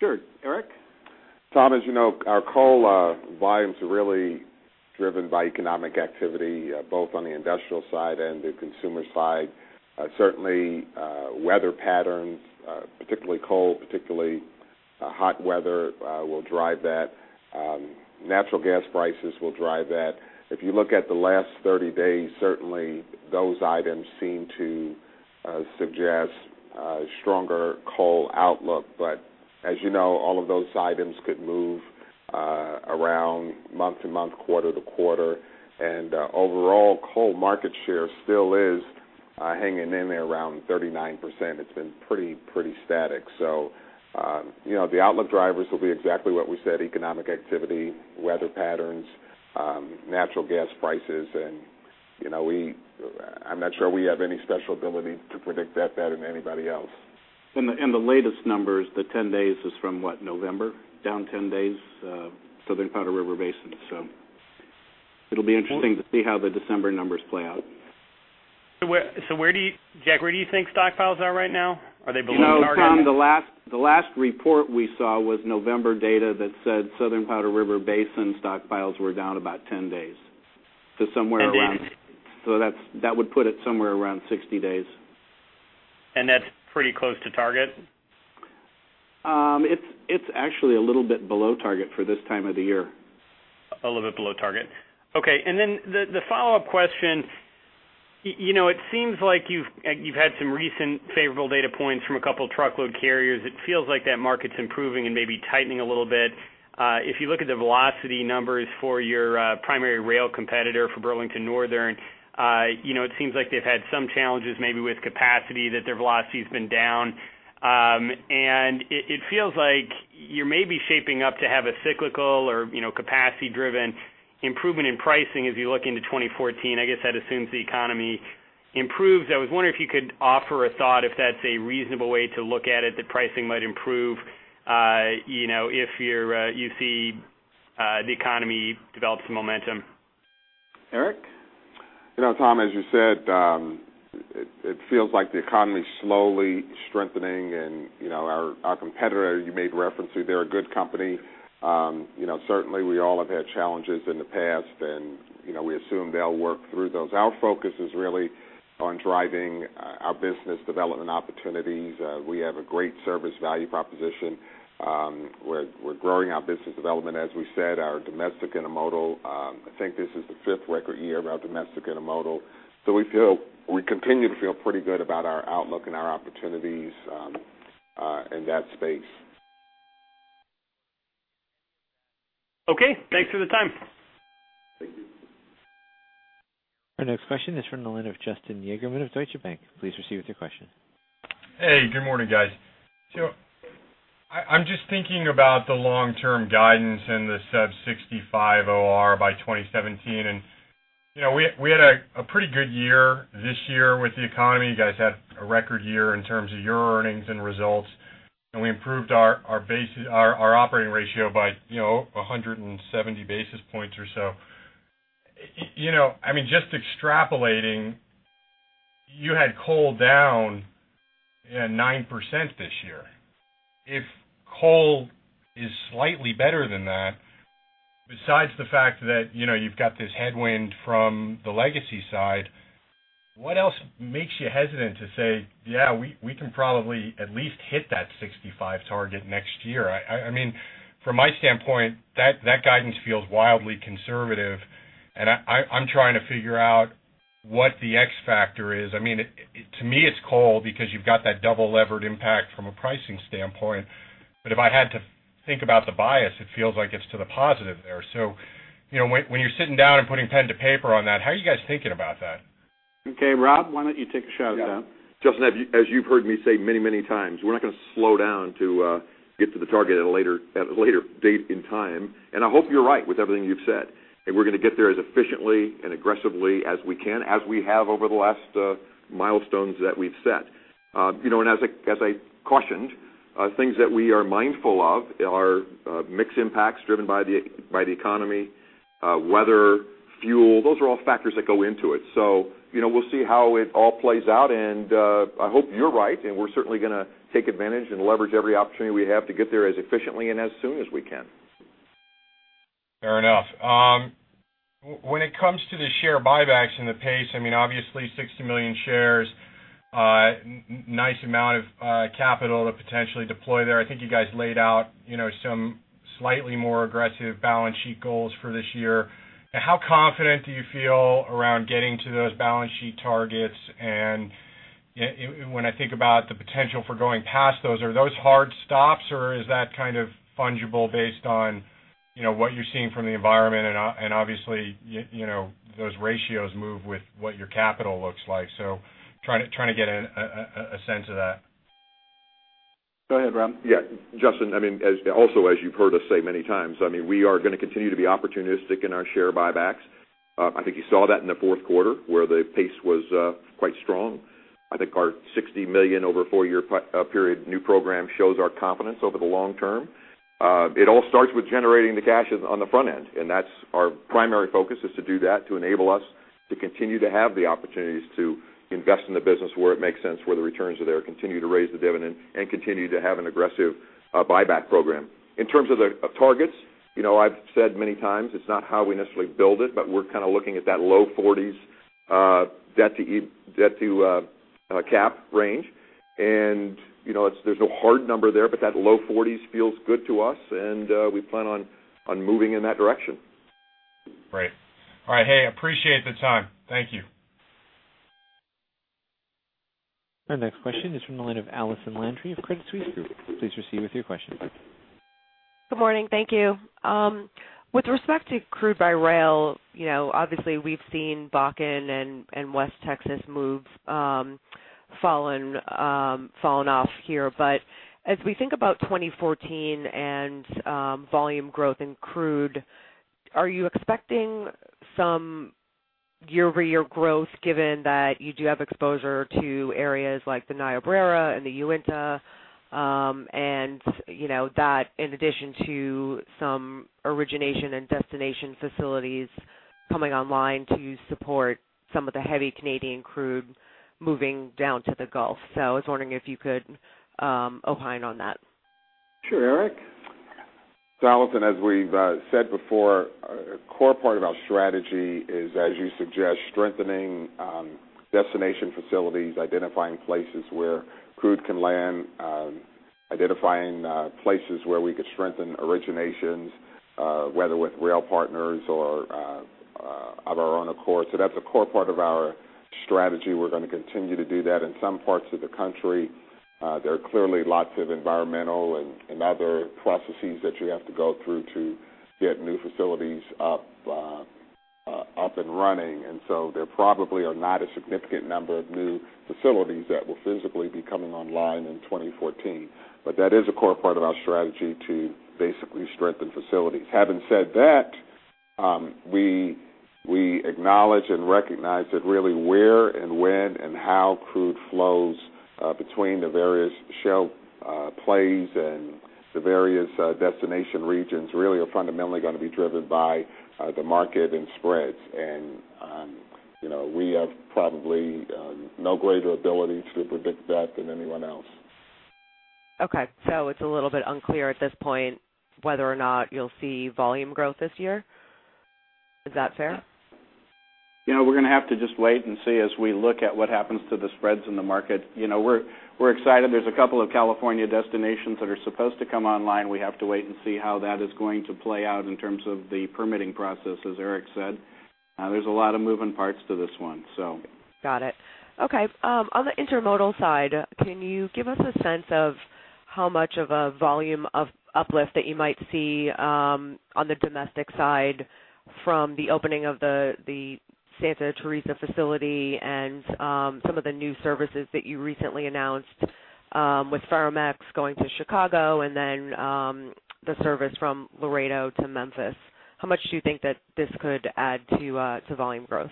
Speaker 2: Sure. Eric?
Speaker 3: Tom, as you know, our coal volumes are really driven by economic activity, both on the industrial side and the consumer side. Certainly, weather patterns, particularly cold, particularly hot weather, will drive that. Natural gas prices will drive that. If you look at the last 30 days, certainly those items seem to suggest a stronger coal outlook. But as you know, all of those items could move around month to month, quarter to quarter. And overall, coal market share still is hanging in there around 39%. It's been pretty, pretty static. So, you know, the outlook drivers will be exactly what we said, economic activity, weather patterns, natural gas prices. And, you know, I'm not sure we have any special ability to predict that better than anybody else. And the latest numbers, the 10 days is from, what, November? Down 10 days, Southern Powder River Basin. So it'll be interesting to see how the December numbers play out.
Speaker 6: So, Jack, where do you think stockpiles are right now? Are they below target?
Speaker 2: You know, Tom, the last report we saw was November data that said Southern Powder River Basin stockpiles were down about 10 days. So somewhere around-
Speaker 6: 10 days.
Speaker 2: So that would put it somewhere around 60 days.
Speaker 6: That's pretty close to target?
Speaker 2: It's actually a little bit below target for this time of the year.
Speaker 6: A little bit below target. Okay. And then the follow-up question, you know, it seems like you've, you've had some recent favorable data points from a couple of truckload carriers. It feels like that market's improving and maybe tightening a little bit. If you look at the velocity numbers for your primary rail competitor for Burlington Northern, you know, it seems like they've had some challenges, maybe with capacity, that their velocity's been down. And it feels like you may be shaping up to have a cyclical or, you know, capacity-driven improvement in pricing as you look into 2014. I guess that assumes the economy improves. I was wondering if you could offer a thought if that's a reasonable way to look at it, that pricing might improve, you know, if you see the economy develop some momentum.
Speaker 2: Eric?
Speaker 3: You know, Tom, as you said, it feels like the economy is slowly strengthening, and, you know, our competitor, you made reference to, they're a good company. You know, certainly, we all have had challenges in the past, and, you know, we assume they'll work through those. Our focus is really on driving our business development opportunities. We have a great service value proposition. We're growing our business development. As we said, our domestic intermodal, I think this is the fifth record year of our domestic intermodal. So we feel... We continue to feel pretty good about our outlook and our opportunities in that space.
Speaker 6: Okay. Thanks for the time.
Speaker 3: Thank you.
Speaker 1: Our next question is from the line of Justin Yagerman of Deutsche Bank. Please proceed with your question.
Speaker 7: Hey, good morning, guys. So I'm just thinking about the long-term guidance and the sub-65 OR by 2017. And, you know, we had a pretty good year this year with the economy. You guys had a record year in terms of your earnings and results, and we improved our base operating ratio by, you know, 170 basis points or so.... You know, I mean, just extrapolating, you had coal down 9% this year. If coal is slightly better than that, besides the fact that, you know, you've got this headwind from the legacy side, what else makes you hesitant to say, "Yeah, we can probably at least hit that 65 target next year?" I mean, from my standpoint, that guidance feels wildly conservative, and I'm trying to figure out what the X factor is. I mean, to me, it's coal, because you've got that double levered impact from a pricing standpoint. But if I had to think about the bias, it feels like it's to the positive there. So, you know, when you're sitting down and putting pen to paper on that, how are you guys thinking about that?
Speaker 2: Okay, Rob, why don't you take a shot at that?
Speaker 5: Yeah. Justin, as you, as you've heard me say many, many times, we're not gonna slow down to, get to the target at a later, at a later date in time. And I hope you're right with everything you've said, and we're gonna get there as efficiently and aggressively as we can, as we have over the last, milestones that we've set. You know, and as I, as I cautioned, things that we are mindful of are, mix impacts driven by the, by the economy, weather, fuel. Those are all factors that go into it. So, you know, we'll see how it all plays out, and, I hope you're right, and we're certainly gonna take advantage and leverage every opportunity we have to get there as efficiently and as soon as we can.
Speaker 7: Fair enough. When it comes to the share buybacks and the pace, I mean, obviously, 60 million shares, nice amount of capital to potentially deploy there. I think you guys laid out, you know, some slightly more aggressive balance sheet goals for this year. How confident do you feel around getting to those balance sheet targets? And when I think about the potential for going past those, are those hard stops, or is that kind of fungible based on, you know, what you're seeing from the environment? And obviously, you know, those ratios move with what your capital looks like. So trying to get a sense of that.
Speaker 2: Go ahead, Rob.
Speaker 5: Yeah, Justin, I mean, as you've heard us say many times, I mean, we are gonna continue to be opportunistic in our share buybacks. I think you saw that in the fourth quarter, where the pace was quite strong. I think our $60 million over a 4-year period new program shows our confidence over the long term. It all starts with generating the cash on the front end, and that's our primary focus, is to do that, to enable us to continue to have the opportunities to invest in the business where it makes sense, where the returns are there, continue to raise the dividend, and continue to have an aggressive buyback program. In terms of the targets, you know, I've said many times, it's not how we necessarily build it, but we're kind of looking at that low 40s debt to cap range. You know, there's no hard number there, but that low 40s feels good to us, and we plan on moving in that direction.
Speaker 7: Great. All right, hey, appreciate the time. Thank you.
Speaker 1: Our next question is from the line of Allison Landry of Credit Suisse Group. Please proceed with your question.
Speaker 8: Good morning. Thank you. With respect to crude by rail, you know, obviously, we've seen Bakken and West Texas volumes fallen off here. But as we think about 2014 and volume growth in crude, are you expecting some year-over-year growth, given that you do have exposure to areas like the Niobrara and the Uinta, and, you know, that in addition to some origination and destination facilities coming online to support some of the heavy Canadian crude moving down to the Gulf? So I was wondering if you could opine on that.
Speaker 2: Sure, Eric?
Speaker 3: So Allison, as we've said before, a core part of our strategy is, as you suggest, strengthening destination facilities, identifying places where crude can land, identifying places where we could strengthen originations, whether with rail partners or of our own accord. So that's a core part of our strategy. We're gonna continue to do that. In some parts of the country, there are clearly lots of environmental and other processes that you have to go through to get new facilities up and running. And so there probably are not a significant number of new facilities that will physically be coming online in 2014. But that is a core part of our strategy to basically strengthen facilities. Having said that, we acknowledge and recognize that really where and when and how crude flows between the various shale plays and the various destination regions really are fundamentally gonna be driven by the market and spreads. And you know, we have probably no greater ability to predict that than anyone else.
Speaker 8: Okay, so it's a little bit unclear at this point whether or not you'll see volume growth this year? Is that fair?
Speaker 2: You know, we're gonna have to just wait and see as we look at what happens to the spreads in the market. You know, we're, we're excited. There's a couple of California destinations that are supposed to come online. We have to wait and see how that is going to play out in terms of the permitting process, as Eric said. There's a lot of moving parts to this one, so.
Speaker 8: Got it. Okay, on the intermodal side, can you give us a sense of how much of a volume of uplift that you might see, on the domestic side from the opening of the Santa Teresa facility and, some of the new services that you recently announced, with Ferromex going to Chicago and then, the service from Laredo to Memphis? How much do you think that this could add to volume growth?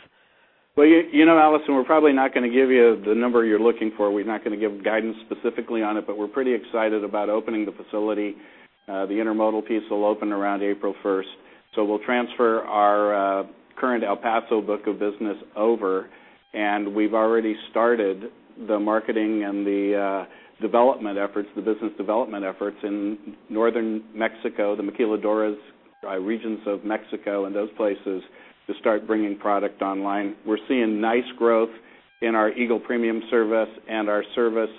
Speaker 2: ...Well, you know, Allison, we're probably not gonna give you the number you're looking for. We're not gonna give guidance specifically on it, but we're pretty excited about opening the facility. The intermodal piece will open around April 1st. So we'll transfer our current El Paso book of business over, and we've already started the marketing and the development efforts, the business development efforts in northern Mexico, the Maquiladoras regions of Mexico and those places, to start bringing product online. We're seeing nice growth in our Eagle Premium Service and our service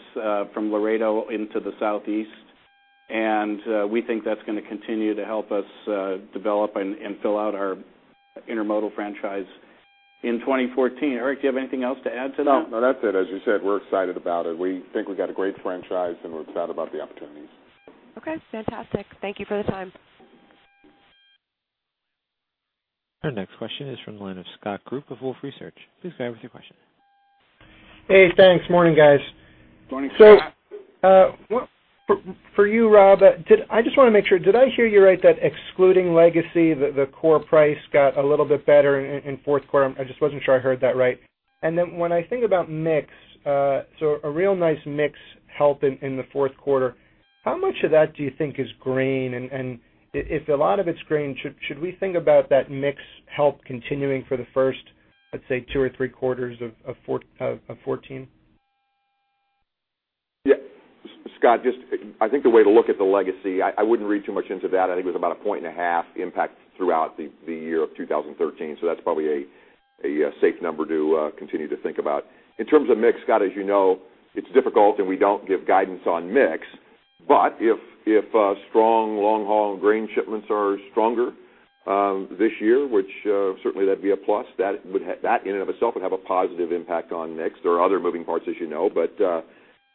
Speaker 2: from Laredo into the Southeast. And we think that's gonna continue to help us develop and fill out our intermodal franchise in 2014. Eric, do you have anything else to add to that?
Speaker 3: No, no, that's it. As you said, we're excited about it. We think we've got a great franchise, and we're excited about the opportunities.
Speaker 8: Okay, fantastic. Thank you for the time.
Speaker 1: Our next question is from the line of Scott Group of Wolfe Research. Please go ahead with your question.
Speaker 9: Hey, thanks. Morning, guys.
Speaker 5: Morning, Scott.
Speaker 9: So, for you, Rob, did I just wanna make sure, did I hear you right, that excluding legacy, the core price got a little bit better in fourth quarter? I just wasn't sure I heard that right. And then when I think about mix, so a real nice mix help in the fourth quarter, how much of that do you think is grain? And if a lot of it's grain, should we think about that mix help continuing for the first, let's say, two or three quarters of 14?
Speaker 5: Yeah. Scott, just, I think the way to look at the legacy, I wouldn't read too much into that. I think it was about a 1.5-point impact throughout the year of 2013, so that's probably a safe number to continue to think about. In terms of mix, Scott, as you know, it's difficult, and we don't give guidance on mix, but if strong long-haul grain shipments are stronger this year, which certainly that'd be a plus, that, in and of itself, would have a positive impact on mix. There are other moving parts, as you know, but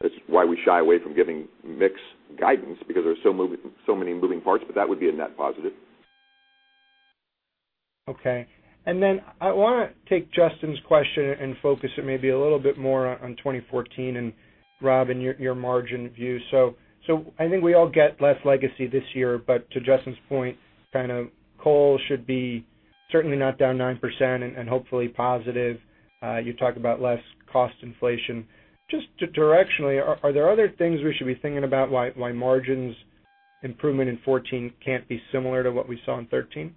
Speaker 5: that's why we shy away from giving mix guidance because there's so many moving parts, but that would be a net positive.
Speaker 9: Okay. And then I wanna take Justin's question and focus it maybe a little bit more on, on 2014, and Rob, and your, your margin view. So, so I think we all get less legacy this year, but to Justin's point, kind of, coal should be certainly not down 9% and, and hopefully positive. You talk about less cost inflation. Just directionally, are, are there other things we should be thinking about why, why margins improvement in 2014 can't be similar to what we saw in 2013?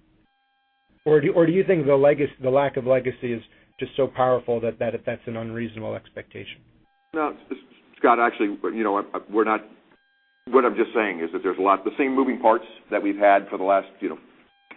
Speaker 9: Or do, or do you think the legacy, the lack of legacy is just so powerful that, that, that's an unreasonable expectation?
Speaker 5: No, Scott, actually, you know, we're not. What I'm just saying is that there's a lot, the same moving parts that we've had for the last, you know,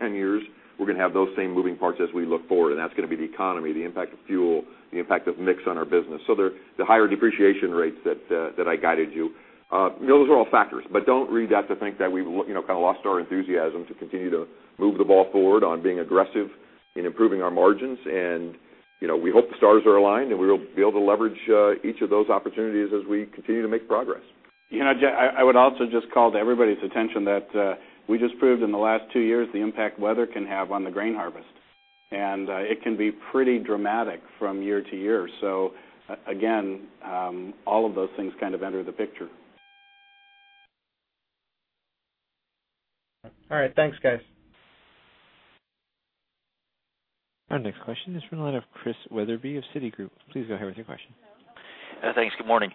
Speaker 5: 10 years, we're gonna have those same moving parts as we look forward, and that's gonna be the economy, the impact of fuel, the impact of mix on our business. So the higher depreciation rates that I guided you, you know, those are all factors. But don't read that to think that we've, you know, kind of, lost our enthusiasm to continue to move the ball forward on being aggressive in improving our margins. And, you know, we hope the stars are aligned, and we'll be able to leverage each of those opportunities as we continue to make progress.
Speaker 2: You know, J, I, I would also just call to everybody's attention that, we just proved in the last two years, the impact weather can have on the grain harvest, and, it can be pretty dramatic from year to year. So again, all of those things kind of enter the picture.
Speaker 9: All right. Thanks, guys.
Speaker 1: Our next question is from the line of Chris Wetherbee of Citigroup. Please go ahead with your question.
Speaker 10: Thanks. Good morning.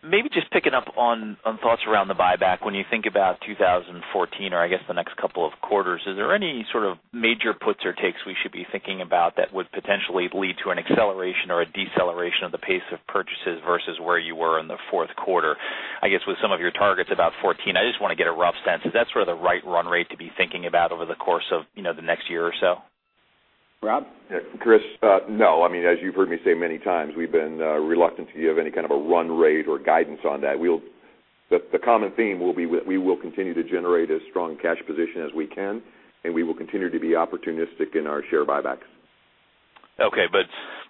Speaker 10: Maybe just picking up on thoughts around the buyback. When you think about 2014, or I guess, the next couple of quarters, is there any sort of major puts or takes we should be thinking about that would potentially lead to an acceleration or a deceleration of the pace of purchases versus where you were in the fourth quarter? I guess with some of your targets about 14, I just wanna get a rough sense. Is that sort of the right run rate to be thinking about over the course of, you know, the next year or so?
Speaker 2: Rob?
Speaker 5: Yeah, Chris, no. I mean, as you've heard me say many times, we've been reluctant to give any kind of a run rate or guidance on that. The common theme will be we will continue to generate as strong cash position as we can, and we will continue to be opportunistic in our share buybacks.
Speaker 10: Okay, but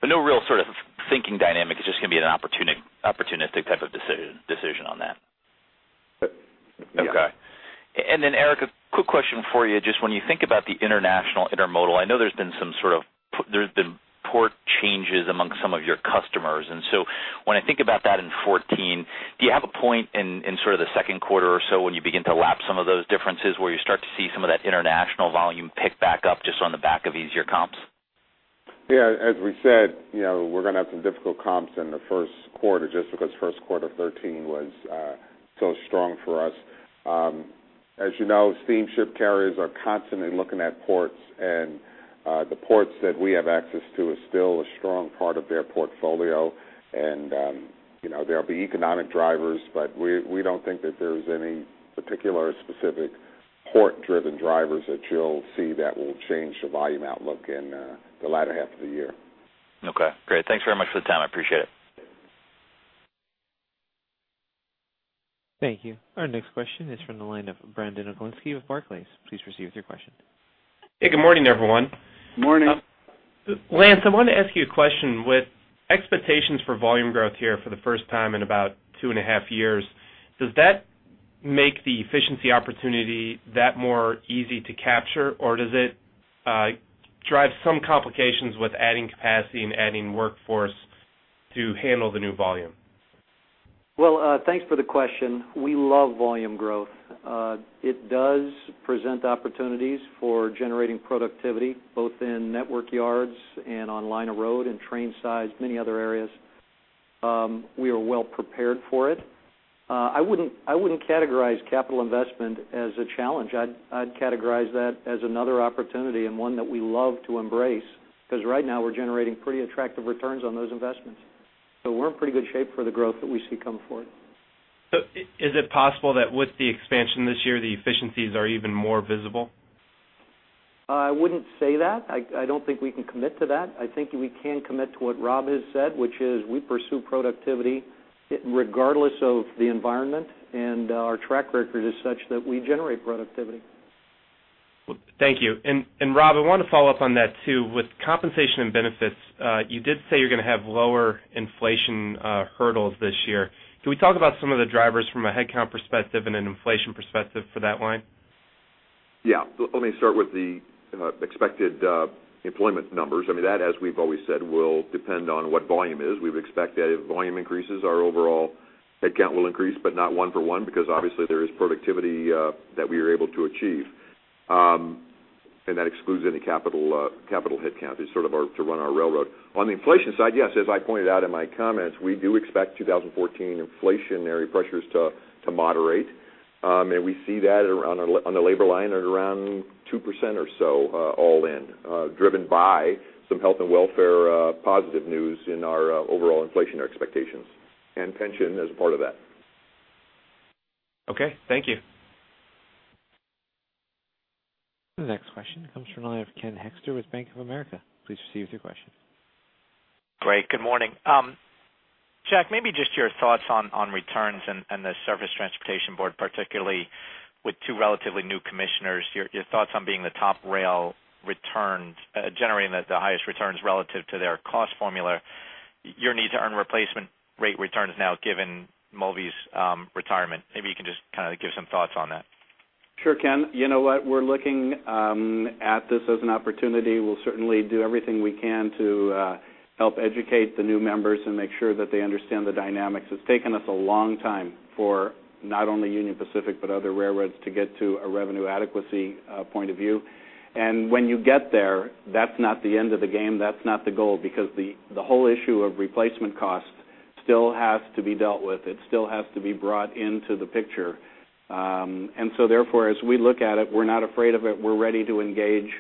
Speaker 10: no real sort of thinking dynamic. It's just gonna be an opportunistic type of decision on that?
Speaker 5: Yep.
Speaker 10: Okay. And then, Eric, a quick question for you. Just when you think about the international intermodal, I know there's been some sort of port changes among some of your customers. And so when I think about that in 2014, do you have a point in sort of the second quarter or so, when you begin to lap some of those differences, where you start to see some of that international volume pick back up just on the back of easier comps?
Speaker 3: Yeah, as we said, you know, we're gonna have some difficult comps in the first quarter just because first quarter 13 was so strong for us. As you know, steamship carriers are constantly looking at ports, and the ports that we have access to is still a strong part of their portfolio. And, you know, there'll be economic drivers, but we don't think that there's any particular specific port-driven drivers that you'll see that will change the volume outlook in the latter half of the year.
Speaker 10: Okay, great. Thanks very much for the time. I appreciate it.
Speaker 1: Thank you. Our next question is from the line of Brandon Oglenski of Barclays. Please proceed with your question.
Speaker 11: Hey, good morning, everyone.
Speaker 5: Morning.
Speaker 11: Lance, I wanted to ask you a question. With expectations for volume growth here for the first time in about 2.5 years, does that make the efficiency opportunity that more easy to capture, or does it, drive some complications with adding capacity and adding workforce to handle the new volume? ...
Speaker 4: Well, thanks for the question. We love volume growth. It does present opportunities for generating productivity, both in network yards and on line of road and train size, many other areas. We are well prepared for it. I wouldn't, I wouldn't categorize capital investment as a challenge. I'd, I'd categorize that as another opportunity and one that we love to embrace, because right now we're generating pretty attractive returns on those investments. So we're in pretty good shape for the growth that we see coming forward.
Speaker 11: So, is it possible that with the expansion this year, the efficiencies are even more visible?
Speaker 2: I wouldn't say that. I don't think we can commit to that. I think we can commit to what Rob has said, which is we pursue productivity, regardless of the environment, and our track record is such that we generate productivity.
Speaker 11: Thank you. And Rob, I want to follow up on that, too. With compensation and benefits, you did say you're going to have lower inflation hurdles this year. Can we talk about some of the drivers from a headcount perspective and an inflation perspective for that line?
Speaker 5: Yeah. Let me start with the expected employment numbers. I mean, that, as we've always said, will depend on what volume is. We've expected if volume increases, our overall headcount will increase, but not one for one, because obviously, there is productivity that we are able to achieve. And that excludes any capital headcount. It's sort of our, to run our railroad. On the inflation side, yes, as I pointed out in my comments, we do expect 2014 inflationary pressures to moderate. And we see that on the labor line at around 2% or so, all in, driven by some health and welfare positive news in our overall inflation expectations and pension as a part of that.
Speaker 11: Okay, thank you.
Speaker 1: The next question comes from the line of Ken Hoexter with Bank of America. Please proceed with your question.
Speaker 12: Great, good morning. Jack, maybe just your thoughts on, on returns and, and the Surface Transportation Board, particularly with two relatively new commissioners, your, your thoughts on being the top rail returns, generating the, the highest returns relative to their cost formula, your need to earn replacement rate returns now, given Mulvey's, retirement. Maybe you can just kind of give some thoughts on that.
Speaker 2: Sure, Ken. You know what? We're looking at this as an opportunity. We'll certainly do everything we can to help educate the new members and make sure that they understand the dynamics. It's taken us a long time for not only Union Pacific, but other railroads, to get to a revenue adequacy point of view. And when you get there, that's not the end of the game, that's not the goal, because the whole issue of replacement costs still has to be dealt with. It still has to be brought into the picture. And so therefore, as we look at it, we're not afraid of it. We're ready to engage,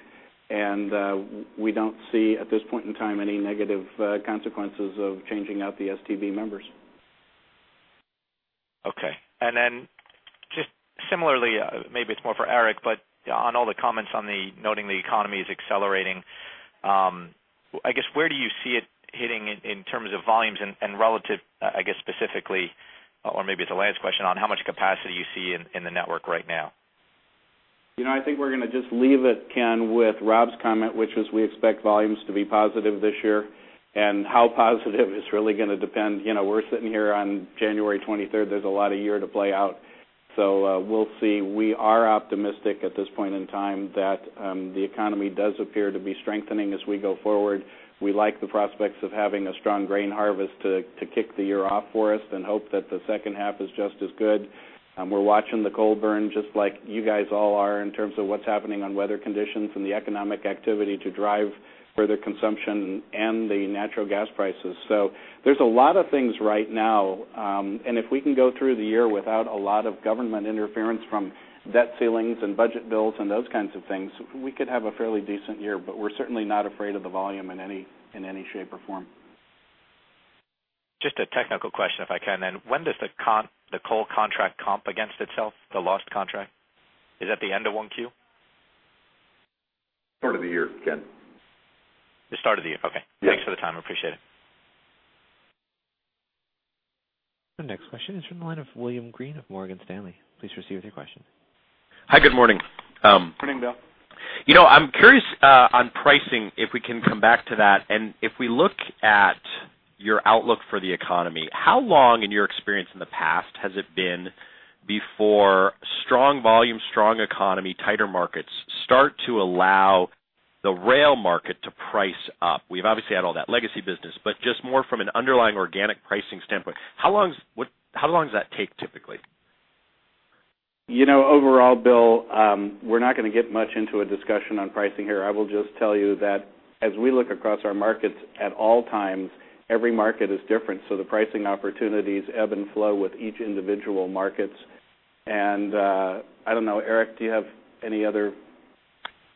Speaker 2: and we don't see, at this point in time, any negative consequences of changing out the STB members.
Speaker 12: Okay. And then, just similarly, maybe it's more for Eric, but on all the comments noting the economy is accelerating, I guess, where do you see it hitting in terms of volumes and relative, I guess, specifically, or maybe it's a last question on how much capacity you see in the network right now?
Speaker 2: You know, I think we're going to just leave it, Ken, with Rob's comment, which is we expect volumes to be positive this year. And how positive is really going to depend. You know, we're sitting here on January 23rd, there's a lot of year to play out, so, we'll see. We are optimistic at this point in time that, the economy does appear to be strengthening as we go forward. We like the prospects of having a strong grain harvest to, to kick the year off for us and hope that the second half is just as good. We're watching the coal burn, just like you guys all are, in terms of what's happening on weather conditions and the economic activity to drive further consumption and the natural gas prices. There's a lot of things right now, and if we can go through the year without a lot of government interference from debt ceilings and budget bills and those kinds of things, we could have a fairly decent year, but we're certainly not afraid of the volume in any, in any shape or form.
Speaker 12: Just a technical question, if I can, then. When does the coal contract comp against itself, the lost contract? Is that the end of one Q?
Speaker 5: Part of the year, Ken.
Speaker 12: The start of the year? Okay.
Speaker 5: Yes.
Speaker 12: Thanks for the time. I appreciate it.
Speaker 1: The next question is from the line of William Greene of Morgan Stanley. Please receive your question.
Speaker 13: Hi, good morning.
Speaker 2: Good morning, Bill.
Speaker 13: You know, I'm curious on pricing, if we can come back to that. If we look at your outlook for the economy, how long, in your experience in the past, has it been before strong volume, strong economy, tighter markets start to allow the rail market to price up? We've obviously had all that legacy business, but just more from an underlying organic pricing standpoint, how long does that take, typically?
Speaker 2: You know, overall, Bill, we're not going to get much into a discussion on pricing here. I will just tell you that as we look across our markets at all times, every market is different, so the pricing opportunities ebb and flow with each individual markets. I don't know, Eric, do you have any other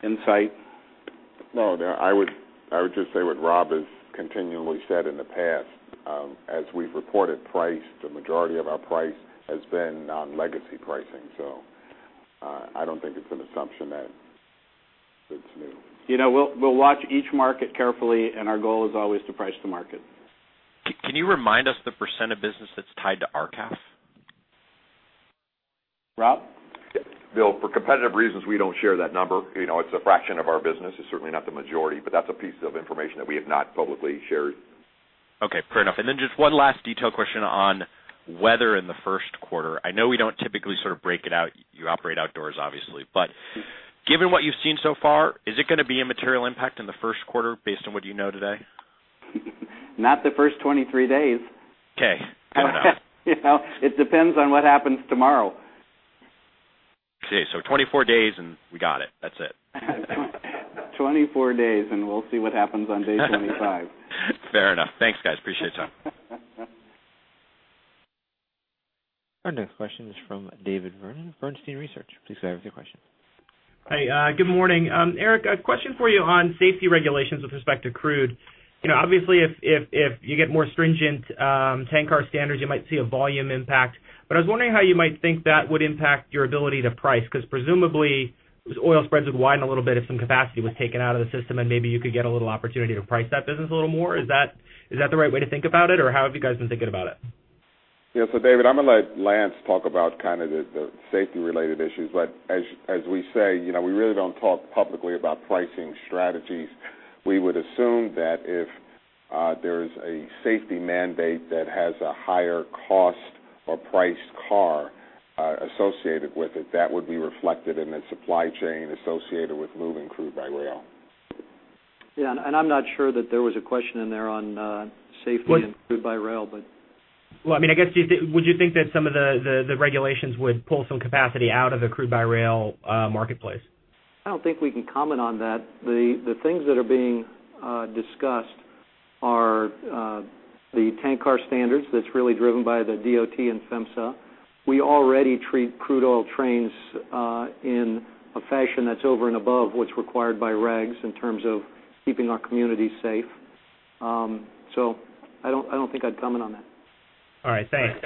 Speaker 2: insight?
Speaker 3: No, Bill, I would just say what Rob has continually said in the past. As we've reported price, the majority of our price has been on legacy pricing, so, I don't think it's an assumption that it's new.
Speaker 2: You know, we'll watch each market carefully, and our goal is always to price the market.
Speaker 13: Can you remind us the percentage of business that's tied to RCAF?
Speaker 2: Rob?
Speaker 5: Bill, for competitive reasons, we don't share that number. You know, it's a fraction of our business. It's certainly not the majority, but that's a piece of information that we have not publicly shared.
Speaker 13: Okay, fair enough. And then just one last detail question on weather in the first quarter. I know we don't typically sort of break it out. You operate outdoors, obviously, but given what you've seen so far, is it going to be a material impact in the first quarter based on what you know today?
Speaker 2: Not the first 23 days.
Speaker 13: Okay. Fair enough.
Speaker 2: You know, it depends on what happens tomorrow....
Speaker 13: Okay, so 24 days, and we got it. That's it.
Speaker 3: 24 days, and we'll see what happens on day 25.
Speaker 13: Fair enough. Thanks, guys. Appreciate your time.
Speaker 1: Our next question is from David Vernon, Bernstein Research. Please go ahead with your question.
Speaker 14: Hey, good morning. Eric, a question for you on safety regulations with respect to crude. You know, obviously, if you get more stringent tank car standards, you might see a volume impact. But I was wondering how you might think that would impact your ability to price, because presumably, oil spreads would widen a little bit if some capacity was taken out of the system, and maybe you could get a little opportunity to price that business a little more. Is that the right way to think about it, or how have you guys been thinking about it?
Speaker 3: Yeah. So David, I'm gonna let Lance talk about kind of the safety-related issues. But as we say, you know, we really don't talk publicly about pricing strategies. We would assume that if there is a safety mandate that has a higher cost or priced car associated with it, that would be reflected in the supply chain associated with moving crude by rail.
Speaker 4: Yeah, and I'm not sure that there was a question in there on safety.
Speaker 14: Well-
Speaker 4: and crude by rail, but.
Speaker 14: Well, I mean, I guess, do you, would you think that some of the regulations would pull some capacity out of the crude by rail marketplace?
Speaker 4: I don't think we can comment on that. The, the things that are being discussed are the tank car standards that's really driven by the DOT and PHMSA. We already treat crude oil trains in a fashion that's over and above what's required by regs in terms of keeping our communities safe. So I don't, I don't think I'd comment on that.
Speaker 14: All right. Thanks.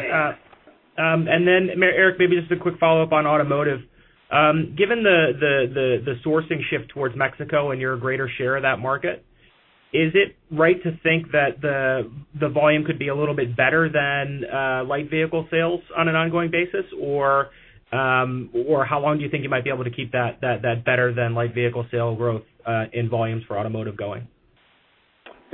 Speaker 14: And then, Eric, maybe just a quick follow-up on automotive. Given the sourcing shift towards Mexico and your greater share of that market, is it right to think that the volume could be a little bit better than light vehicle sales on an ongoing basis? Or how long do you think you might be able to keep that better than light vehicle sale growth in volumes for automotive going?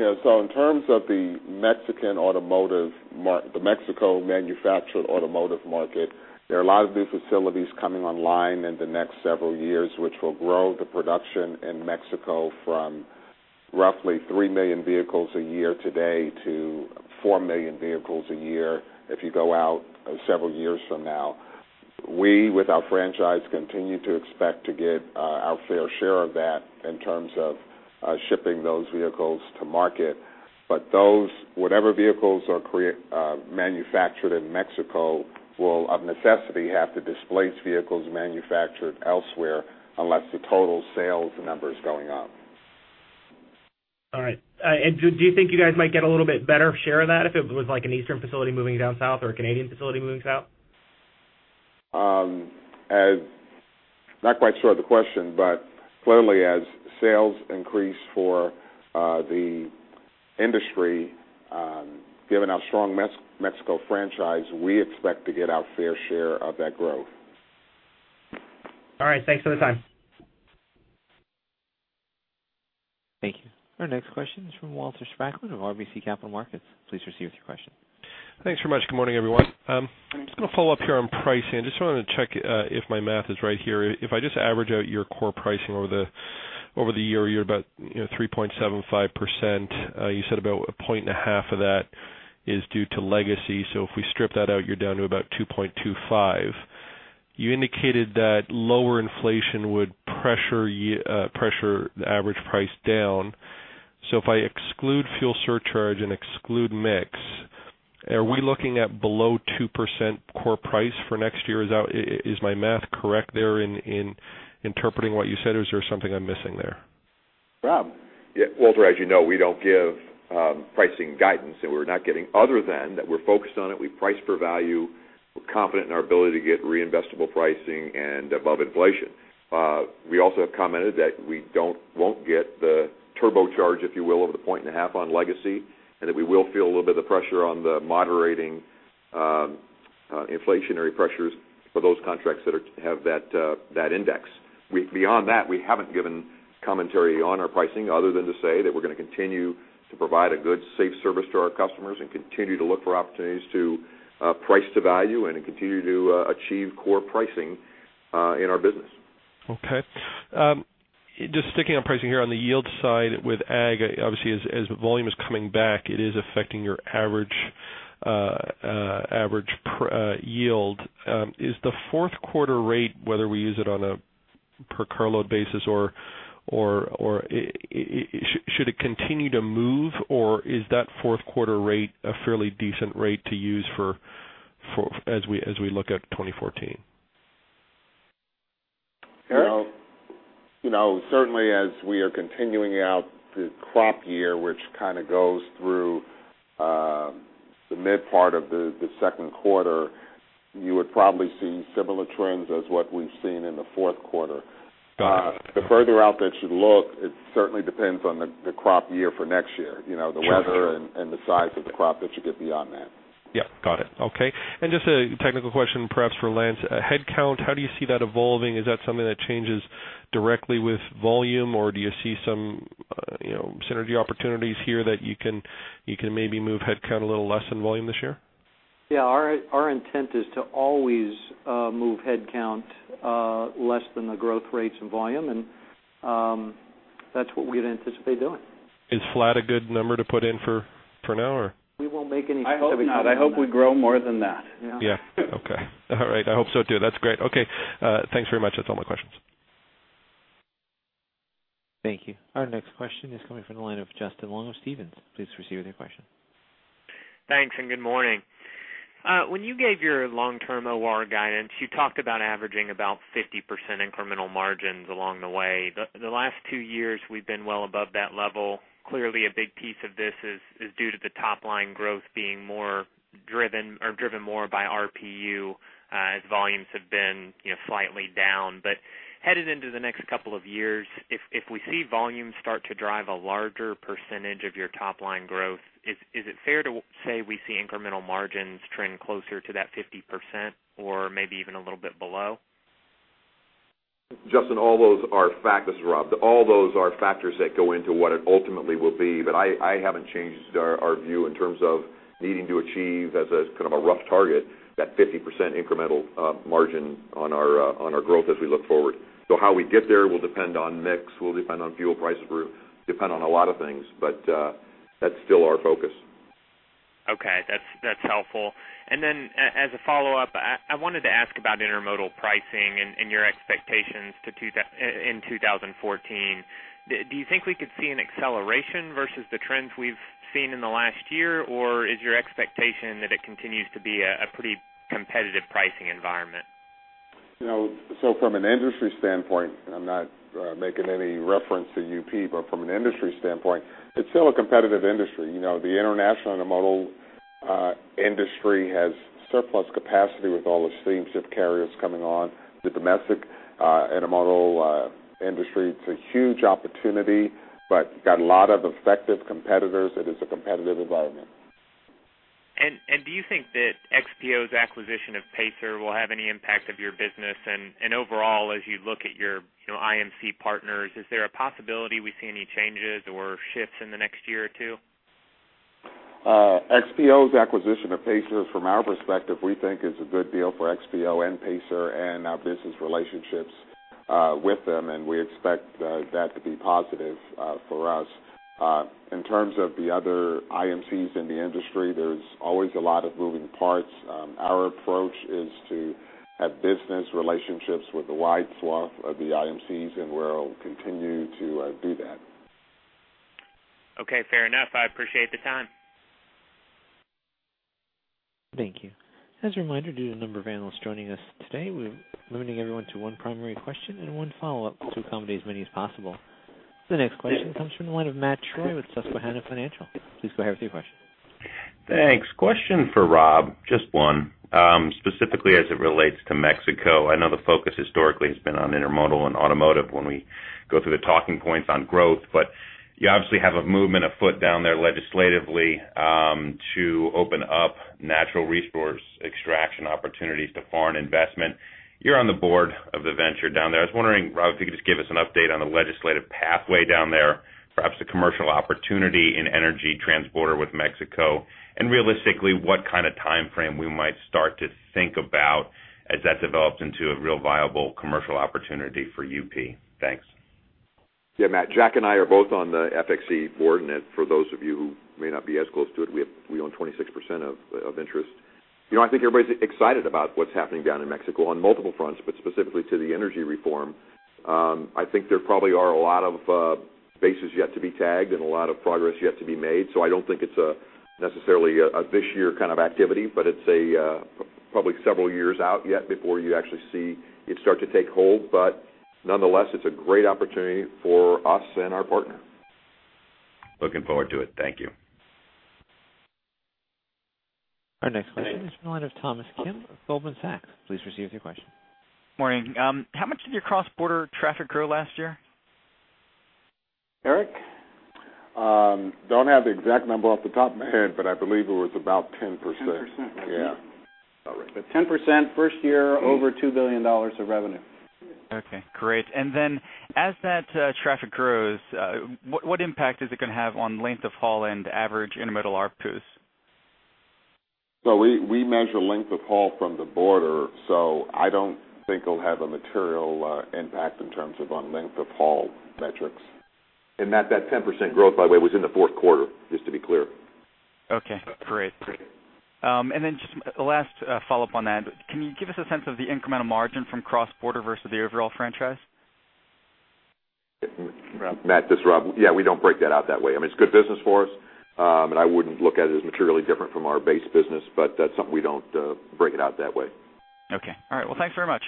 Speaker 3: Yeah, so in terms of the Mexican automotive mar- the Mexico manufactured automotive market, there are a lot of new facilities coming online in the next several years, which will grow the production in Mexico from roughly 3 million vehicles a year today to 4 million vehicles a year, if you go out several years from now. We, with our franchise, continue to expect to get our fair share of that in terms of shipping those vehicles to market. But those, whatever vehicles are created manufactured in Mexico, will, of necessity, have to displace vehicles manufactured elsewhere, unless the total sales number is going up.
Speaker 14: All right. And do you think you guys might get a little bit better share of that if it was like an eastern facility moving down south or a Canadian facility moving south?
Speaker 3: Not quite sure of the question, but clearly, as sales increase for the industry, given our strong Mexico franchise, we expect to get our fair share of that growth.
Speaker 14: All right. Thanks for the time.
Speaker 1: Thank you. Our next question is from Walter Spracklin of RBC Capital Markets. Please proceed with your question.
Speaker 15: Thanks very much. Good morning, everyone. I'm just gonna follow up here on pricing. I just wanted to check if my math is right here. If I just average out your core pricing over the, over the year, you're about, you know, 3.75%. You said about 1.5 of that is due to legacy. So if we strip that out, you're down to about 2.25. You indicated that lower inflation would pressure the average price down. So if I exclude fuel surcharge and exclude mix, are we looking at below 2% core price for next year? Is that my math correct there in interpreting what you said, or is there something I'm missing there?
Speaker 2: Rob?
Speaker 5: Yeah, Walter, as you know, we don't give pricing guidance, and we're not getting other than that we're focused on it. We price for value. We're confident in our ability to get reinvestable pricing and above inflation. We also have commented that we won't get the turbocharge, if you will, over the point and a half on legacy, and that we will feel a little bit of the pressure on the moderating inflationary pressures for those contracts that are have that that index. Beyond that, we haven't given commentary on our pricing other than to say that we're gonna continue to provide a good, safe service to our customers and continue to look for opportunities to price to value and continue to achieve core pricing in our business.
Speaker 15: Okay. Just sticking on pricing here on the yield side with ag, obviously, as volume is coming back, it is affecting your average yield. Is the fourth quarter rate, whether we use it on a per carload basis or should it continue to move, or is that fourth quarter rate a fairly decent rate to use for, as we look at 2014?
Speaker 2: Eric?
Speaker 3: Well, you know, certainly as we are continuing out the crop year, which kind of goes through the mid part of the second quarter, you would probably see similar trends as what we've seen in the fourth quarter.
Speaker 15: Got it.
Speaker 3: The further out that you look, it certainly depends on the crop year for next year, you know-
Speaker 15: Got you.
Speaker 3: the weather and the size of the crop that you get beyond that.
Speaker 15: Yeah, got it. Okay, and just a technical question, perhaps for Lance. Headcount, how do you see that evolving? Is that something that changes directly with volume, or do you see some, you know, synergy opportunities here that you can, you can maybe move headcount a little less than volume this year?
Speaker 4: Yeah. Our intent is to always move headcount less than the growth rates and volume and
Speaker 3: ...that's what we'd anticipate doing.
Speaker 15: Is flat a good number to put in for now, or?
Speaker 3: We won't make any-
Speaker 5: I hope not. I hope we grow more than that.
Speaker 15: Yeah. Okay. All right. I hope so, too. That's great. Okay, thanks very much. That's all my questions.
Speaker 1: Thank you. Our next question is coming from the line of Justin Long of Stephens. Please proceed with your question.
Speaker 16: Thanks, and good morning. When you gave your long-term OR guidance, you talked about averaging about 50% incremental margins along the way. The last two years, we've been well above that level. Clearly, a big piece of this is due to the top line growth being more driven or driven more by RPU, as volumes have been, you know, slightly down. But headed into the next couple of years, if we see volumes start to drive a larger percentage of your top line growth, is it fair to say we see incremental margins trend closer to that 50% or maybe even a little bit below?
Speaker 5: Justin, all those are facts. This is Rob. All those are factors that go into what it ultimately will be, but I haven't changed our view in terms of needing to achieve as a kind of a rough target, that 50% incremental margin on our growth as we look forward. So how we get there will depend on mix, will depend on fuel prices, will depend on a lot of things, but that's still our focus.
Speaker 16: Okay, that's helpful. And then as a follow-up, I wanted to ask about intermodal pricing and your expectations in 2014. Do you think we could see an acceleration versus the trends we've seen in the last year? Or is your expectation that it continues to be a pretty competitive pricing environment?
Speaker 5: You know, so from an industry standpoint, I'm not making any reference to UP, but from an industry standpoint, it's still a competitive industry. You know, the international intermodal industry has surplus capacity with all the steamship carriers coming on. The domestic intermodal industry, it's a huge opportunity, but got a lot of effective competitors. It is a competitive environment.
Speaker 16: And do you think that XPO's acquisition of Pacer will have any impact on your business? And overall, as you look at your, you know, IMC partners, is there a possibility we see any changes or shifts in the next year or two?
Speaker 5: XPO's acquisition of Pacer, from our perspective, we think is a good deal for XPO and Pacer and our business relationships with them, and we expect that to be positive for us. In terms of the other IMCs in the industry, there's always a lot of moving parts. Our approach is to have business relationships with a wide swath of the IMCs, and we're continue to do that.
Speaker 16: Okay, fair enough. I appreciate the time.
Speaker 1: Thank you. As a reminder, due to the number of analysts joining us today, we're limiting everyone to one primary question and one follow-up to accommodate as many as possible. The next question comes from the line of Matt Troy with Susquehanna Financial. Please go ahead with your question.
Speaker 17: Thanks. Question for Rob, just one. Specifically as it relates to Mexico, I know the focus historically has been on intermodal and automotive when we go through the talking points on growth, but you obviously have a movement afoot down there legislatively to open up natural resource extraction opportunities to foreign investment. You're on the board of the venture down there. I was wondering, Rob, if you could just give us an update on the legislative pathway down there, perhaps the commercial opportunity in energy transportation with Mexico, and realistically, what kind of timeframe we might start to think about as that develops into a real viable commercial opportunity for UP. Thanks.
Speaker 5: Yeah, Matt, Jack and I are both on the FXE board, and for those of you who may not be as close to it, we have—we own 26% of interest. You know, I think everybody's excited about what's happening down in Mexico on multiple fronts, but specifically to the energy reform. I think there probably are a lot of bases yet to be tagged and a lot of progress yet to be made, so I don't think it's a necessarily a this year kind of activity, but it's a probably several years out yet before you actually see it start to take hold. But nonetheless, it's a great opportunity for us and our partner.
Speaker 17: Looking forward to it. Thank you.
Speaker 1: Our next question is from the line of Thomas Kim of Goldman Sachs. Please proceed with your question.
Speaker 18: Morning. How much did your cross-border traffic grow last year?
Speaker 2: Eric?
Speaker 3: Don't have the exact number off the top of my head, but I believe it was about 10%. 10%, right? Yeah.
Speaker 18: All right.
Speaker 3: But 10%, first year, over $2 billion of revenue.
Speaker 18: Okay, great. And then, as that traffic grows, what impact is it gonna have on length of haul and average intermodal ARPUs?
Speaker 3: So we measure length of haul from the border, so I don't think it'll have a material impact in terms of on length of haul metrics. And that 10% growth, by the way, was in the fourth quarter, just to be clear.
Speaker 18: Okay, great. And then just a last follow-up on that. Can you give us a sense of the incremental margin from cross-border versus the overall franchise?
Speaker 5: Matt, this is Rob. Yeah, we don't break that out that way. I mean, it's good business for us, and I wouldn't look at it as materially different from our base business, but that's something we don't break it out that way.
Speaker 18: Okay. All right. Well, thanks very much.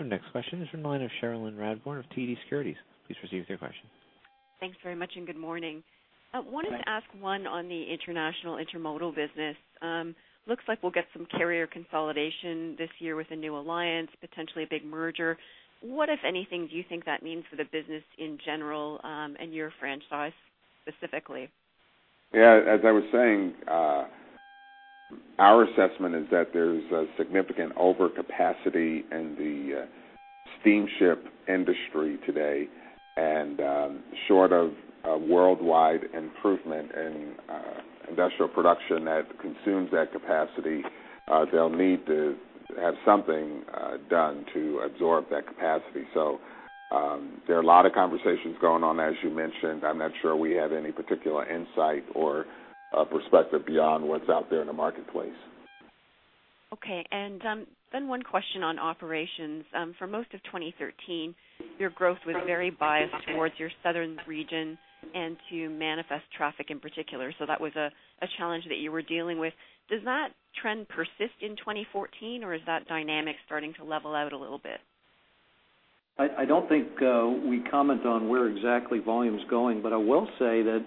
Speaker 1: Our next question is from the line of Cherilyn Radbourne of TD Securities. Please proceed with your question.
Speaker 19: Thanks very much, and good morning.
Speaker 5: Good day.
Speaker 19: I wanted to ask one on the international intermodal business. Looks like we'll get some carrier consolidation this year with a new alliance, potentially a big merger. What, if anything, do you think that means for the business in general, and your franchise specifically?
Speaker 5: Yeah, as I was saying, our assessment is that there's a significant overcapacity in the steamship industry today, and short of a worldwide improvement in industrial production that consumes that capacity, they'll need to have something done to absorb that capacity. So, there are a lot of conversations going on, as you mentioned. I'm not sure we have any particular insight or perspective beyond what's out there in the marketplace.
Speaker 19: Okay. And, then one question on operations. For most of 2013, your growth was very biased towards your southern region and to manifest traffic in particular. So that was a challenge that you were dealing with. Does that trend persist in 2014, or is that dynamic starting to level out a little bit?
Speaker 4: I don't think we comment on where exactly volume's going, but I will say that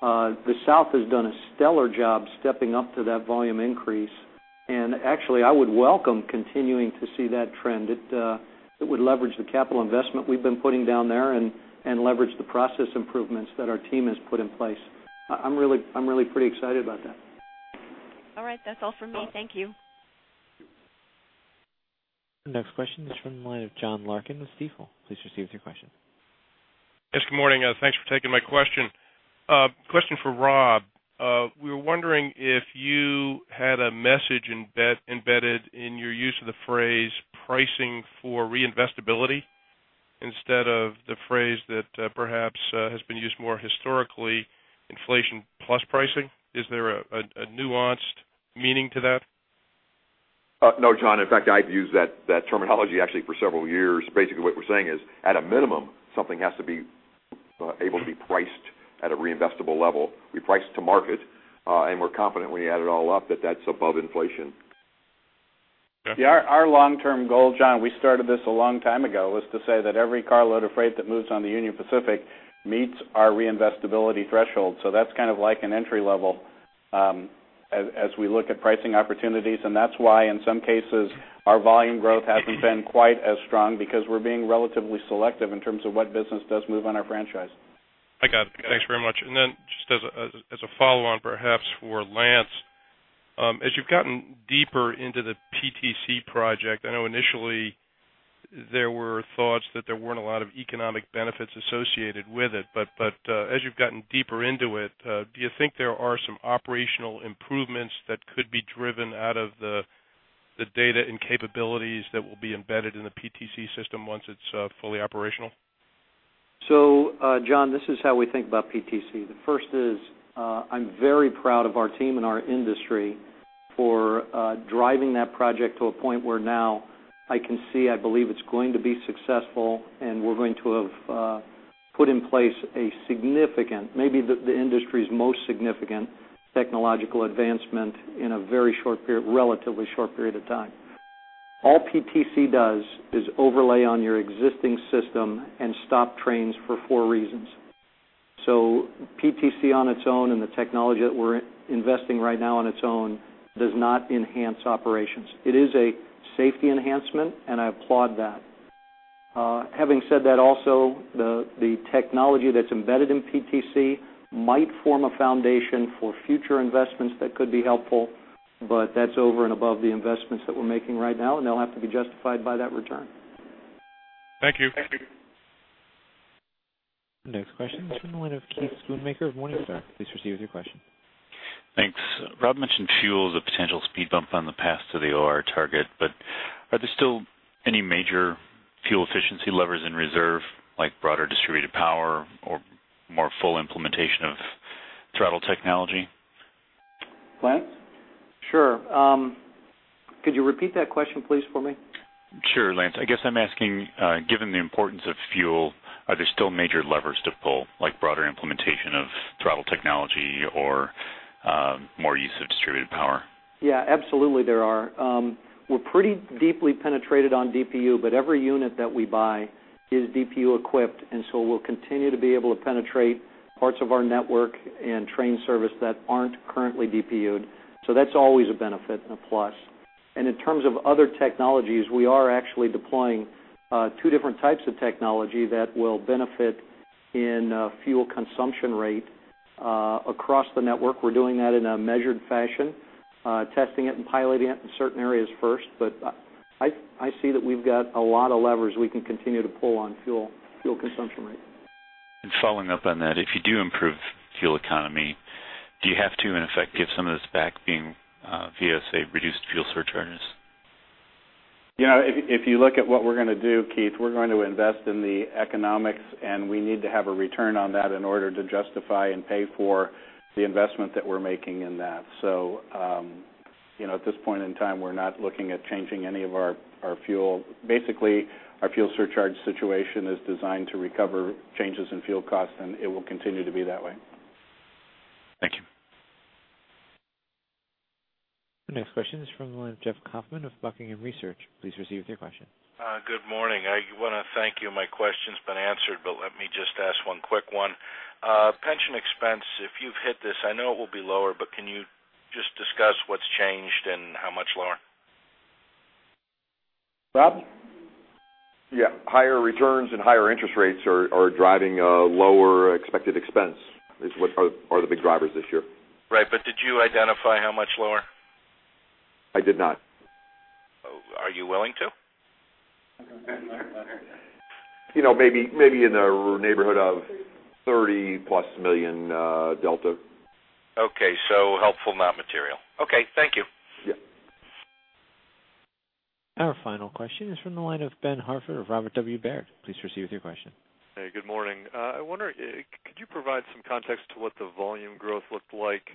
Speaker 4: the South has done a stellar job stepping up to that volume increase. And actually, I would welcome continuing to see that trend. It would leverage the capital investment we've been putting down there and leverage the process improvements that our team has put in place. I'm really pretty excited about that.
Speaker 19: All right. That's all for me. Thank you.
Speaker 1: Next question is from the line of John Larkin with Stifel. Please proceed with your question.
Speaker 20: Yes, good morning. Thanks for taking my question. Question for Rob. We were wondering if you had a message embedded in your use of the phrase, pricing for reinvestability instead of the phrase that, perhaps, has been used more historically, inflation plus pricing. Is there a nuanced meaning to that?
Speaker 5: No, John. In fact, I've used that terminology actually for several years. Basically, what we're saying is, at a minimum, something has to be able to be priced at a reinvestable level. We price to market, and we're confident when we add it all up, that that's above inflation.
Speaker 20: Yeah.
Speaker 4: Our long-term goal, John, we started this a long time ago, was to say that every carload of freight that moves on the Union Pacific meets our reinvestability threshold. So that's kind of like an entry level, as we look at pricing opportunities, and that's why, in some cases, our volume growth hasn't been quite as strong because we're being relatively selective in terms of what business does move on our franchise.
Speaker 20: I got it. Thanks very much. And then just as a follow-on, perhaps for Lance, as you've gotten deeper into the PTC project, I know initially there were thoughts that there weren't a lot of economic benefits associated with it. But as you've gotten deeper into it, do you think there are some operational improvements that could be driven out of the data and capabilities that will be embedded in the PTC system once it's fully operational?
Speaker 4: So, John, this is how we think about PTC. The first is, I'm very proud of our team and our industry for driving that project to a point where now I can see, I believe it's going to be successful, and we're going to have put in place a significant, maybe the industry's most significant, technological advancement in a very short period, relatively short period of time. All PTC does is overlay on your existing system and stop trains for four reasons. So PTC, on its own, and the technology that we're investing right now on its own, does not enhance operations. It is a safety enhancement, and I applaud that. Having said that, also, the technology that's embedded in PTC might form a foundation for future investments that could be helpful, but that's over and above the investments that we're making right now, and they'll have to be justified by that return.
Speaker 20: Thank you.
Speaker 1: Next question is from the line of Keith Schoonmaker of Morningstar. Please proceed with your question.
Speaker 21: Thanks. Rob mentioned fuel is a potential speed bump on the path to the OR target, but are there still any major fuel efficiency levers in reserve, like broader distributed power or more full implementation of throttle technology?
Speaker 2: Lance?
Speaker 4: Sure. Could you repeat that question, please, for me?
Speaker 21: Sure, Lance. I guess I'm asking, given the importance of fuel, are there still major levers to pull, like broader implementation of throttle technology or, more use of distributed power?
Speaker 4: Yeah, absolutely, there are. We're pretty deeply penetrated on DPU, but every unit that we buy is DPU-equipped, and so we'll continue to be able to penetrate parts of our network and train service that aren't currently DPU'd. So that's always a benefit and a plus. And in terms of other technologies, we are actually deploying two different types of technology that will benefit in fuel consumption rate across the network. We're doing that in a measured fashion, testing it and piloting it in certain areas first. But I see that we've got a lot of levers we can continue to pull on fuel consumption rate.
Speaker 21: Following up on that, if you do improve fuel economy, do you have to, in effect, give some of this back via, say, reduced fuel surcharges?
Speaker 5: You know, if you look at what we're gonna do, Keith, we're going to invest in the economics, and we need to have a return on that in order to justify and pay for the investment that we're making in that. So, you know, at this point in time, we're not looking at changing any of our fuel. Basically, our fuel surcharge situation is designed to recover changes in fuel costs, and it will continue to be that way.
Speaker 21: Thank you.
Speaker 1: The next question is from the line of Jeff Kauffman of Buckingham Research. Please proceed with your question.
Speaker 22: Good morning. I want to thank you. My question's been answered, but let me just ask one quick one. Pension expense, if you've hit this, I know it will be lower, but can you just discuss what's changed and how much lower?
Speaker 2: Rob?
Speaker 5: Yeah. Higher returns and higher interest rates are driving a lower expected expense, is what the big drivers this year are.
Speaker 22: Right. But did you identify how much lower?
Speaker 5: I did not.
Speaker 22: ...Are you willing to?
Speaker 5: You know, maybe, maybe in the neighborhood of $30+ million delta.
Speaker 22: Okay, so helpful, not material. Okay. Thank you.
Speaker 5: Yeah.
Speaker 1: Our final question is from the line of Ben Hartford of Robert W. Baird. Please proceed with your question.
Speaker 23: Hey, good morning. I wonder, could you provide some context to what the volume growth looked like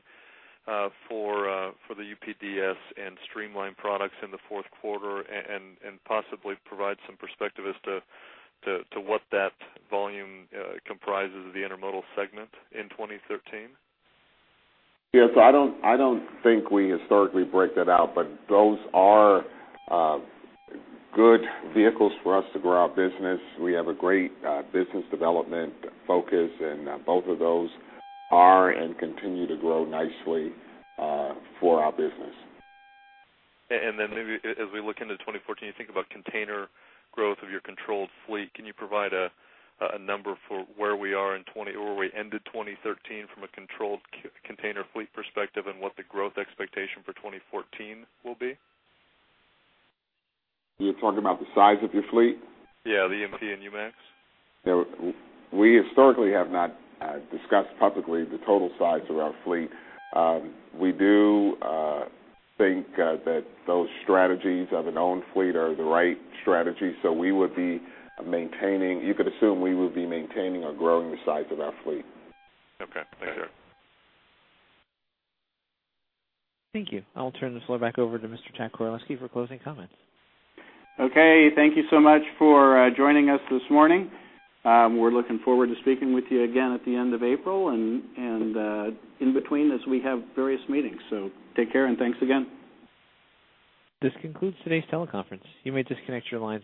Speaker 23: for the UPDS and Streamline products in the fourth quarter and possibly provide some perspective as to what that volume comprises of the Intermodal segment in 2013?
Speaker 3: Yes, I don't think we historically break that out, but those are good vehicles for us to grow our business. We have a great business development focus, and both of those are and continue to grow nicely for our business.
Speaker 23: Then maybe as we look into 2014, you think about container growth of your controlled fleet. Can you provide a number for where we are in 2013 or where we ended 2013 from a controlled container fleet perspective, and what the growth expectation for 2014 will be?
Speaker 3: You're talking about the size of your fleet?
Speaker 23: Yeah, the EMP and UMAX.
Speaker 3: Yeah, we historically have not discussed publicly the total size of our fleet. We do think that those strategies of an owned fleet are the right strategy, so we would be maintaining. You could assume we would be maintaining or growing the size of our fleet.
Speaker 23: Okay. Thank you.
Speaker 1: Thank you. I'll turn this floor back over to Mr. Jack Koraleski for closing comments.
Speaker 2: Okay, thank you so much for joining us this morning. We're looking forward to speaking with you again at the end of April and in between as we have various meetings. So take care and thanks again.
Speaker 1: This concludes today's teleconference. You may disconnect your line.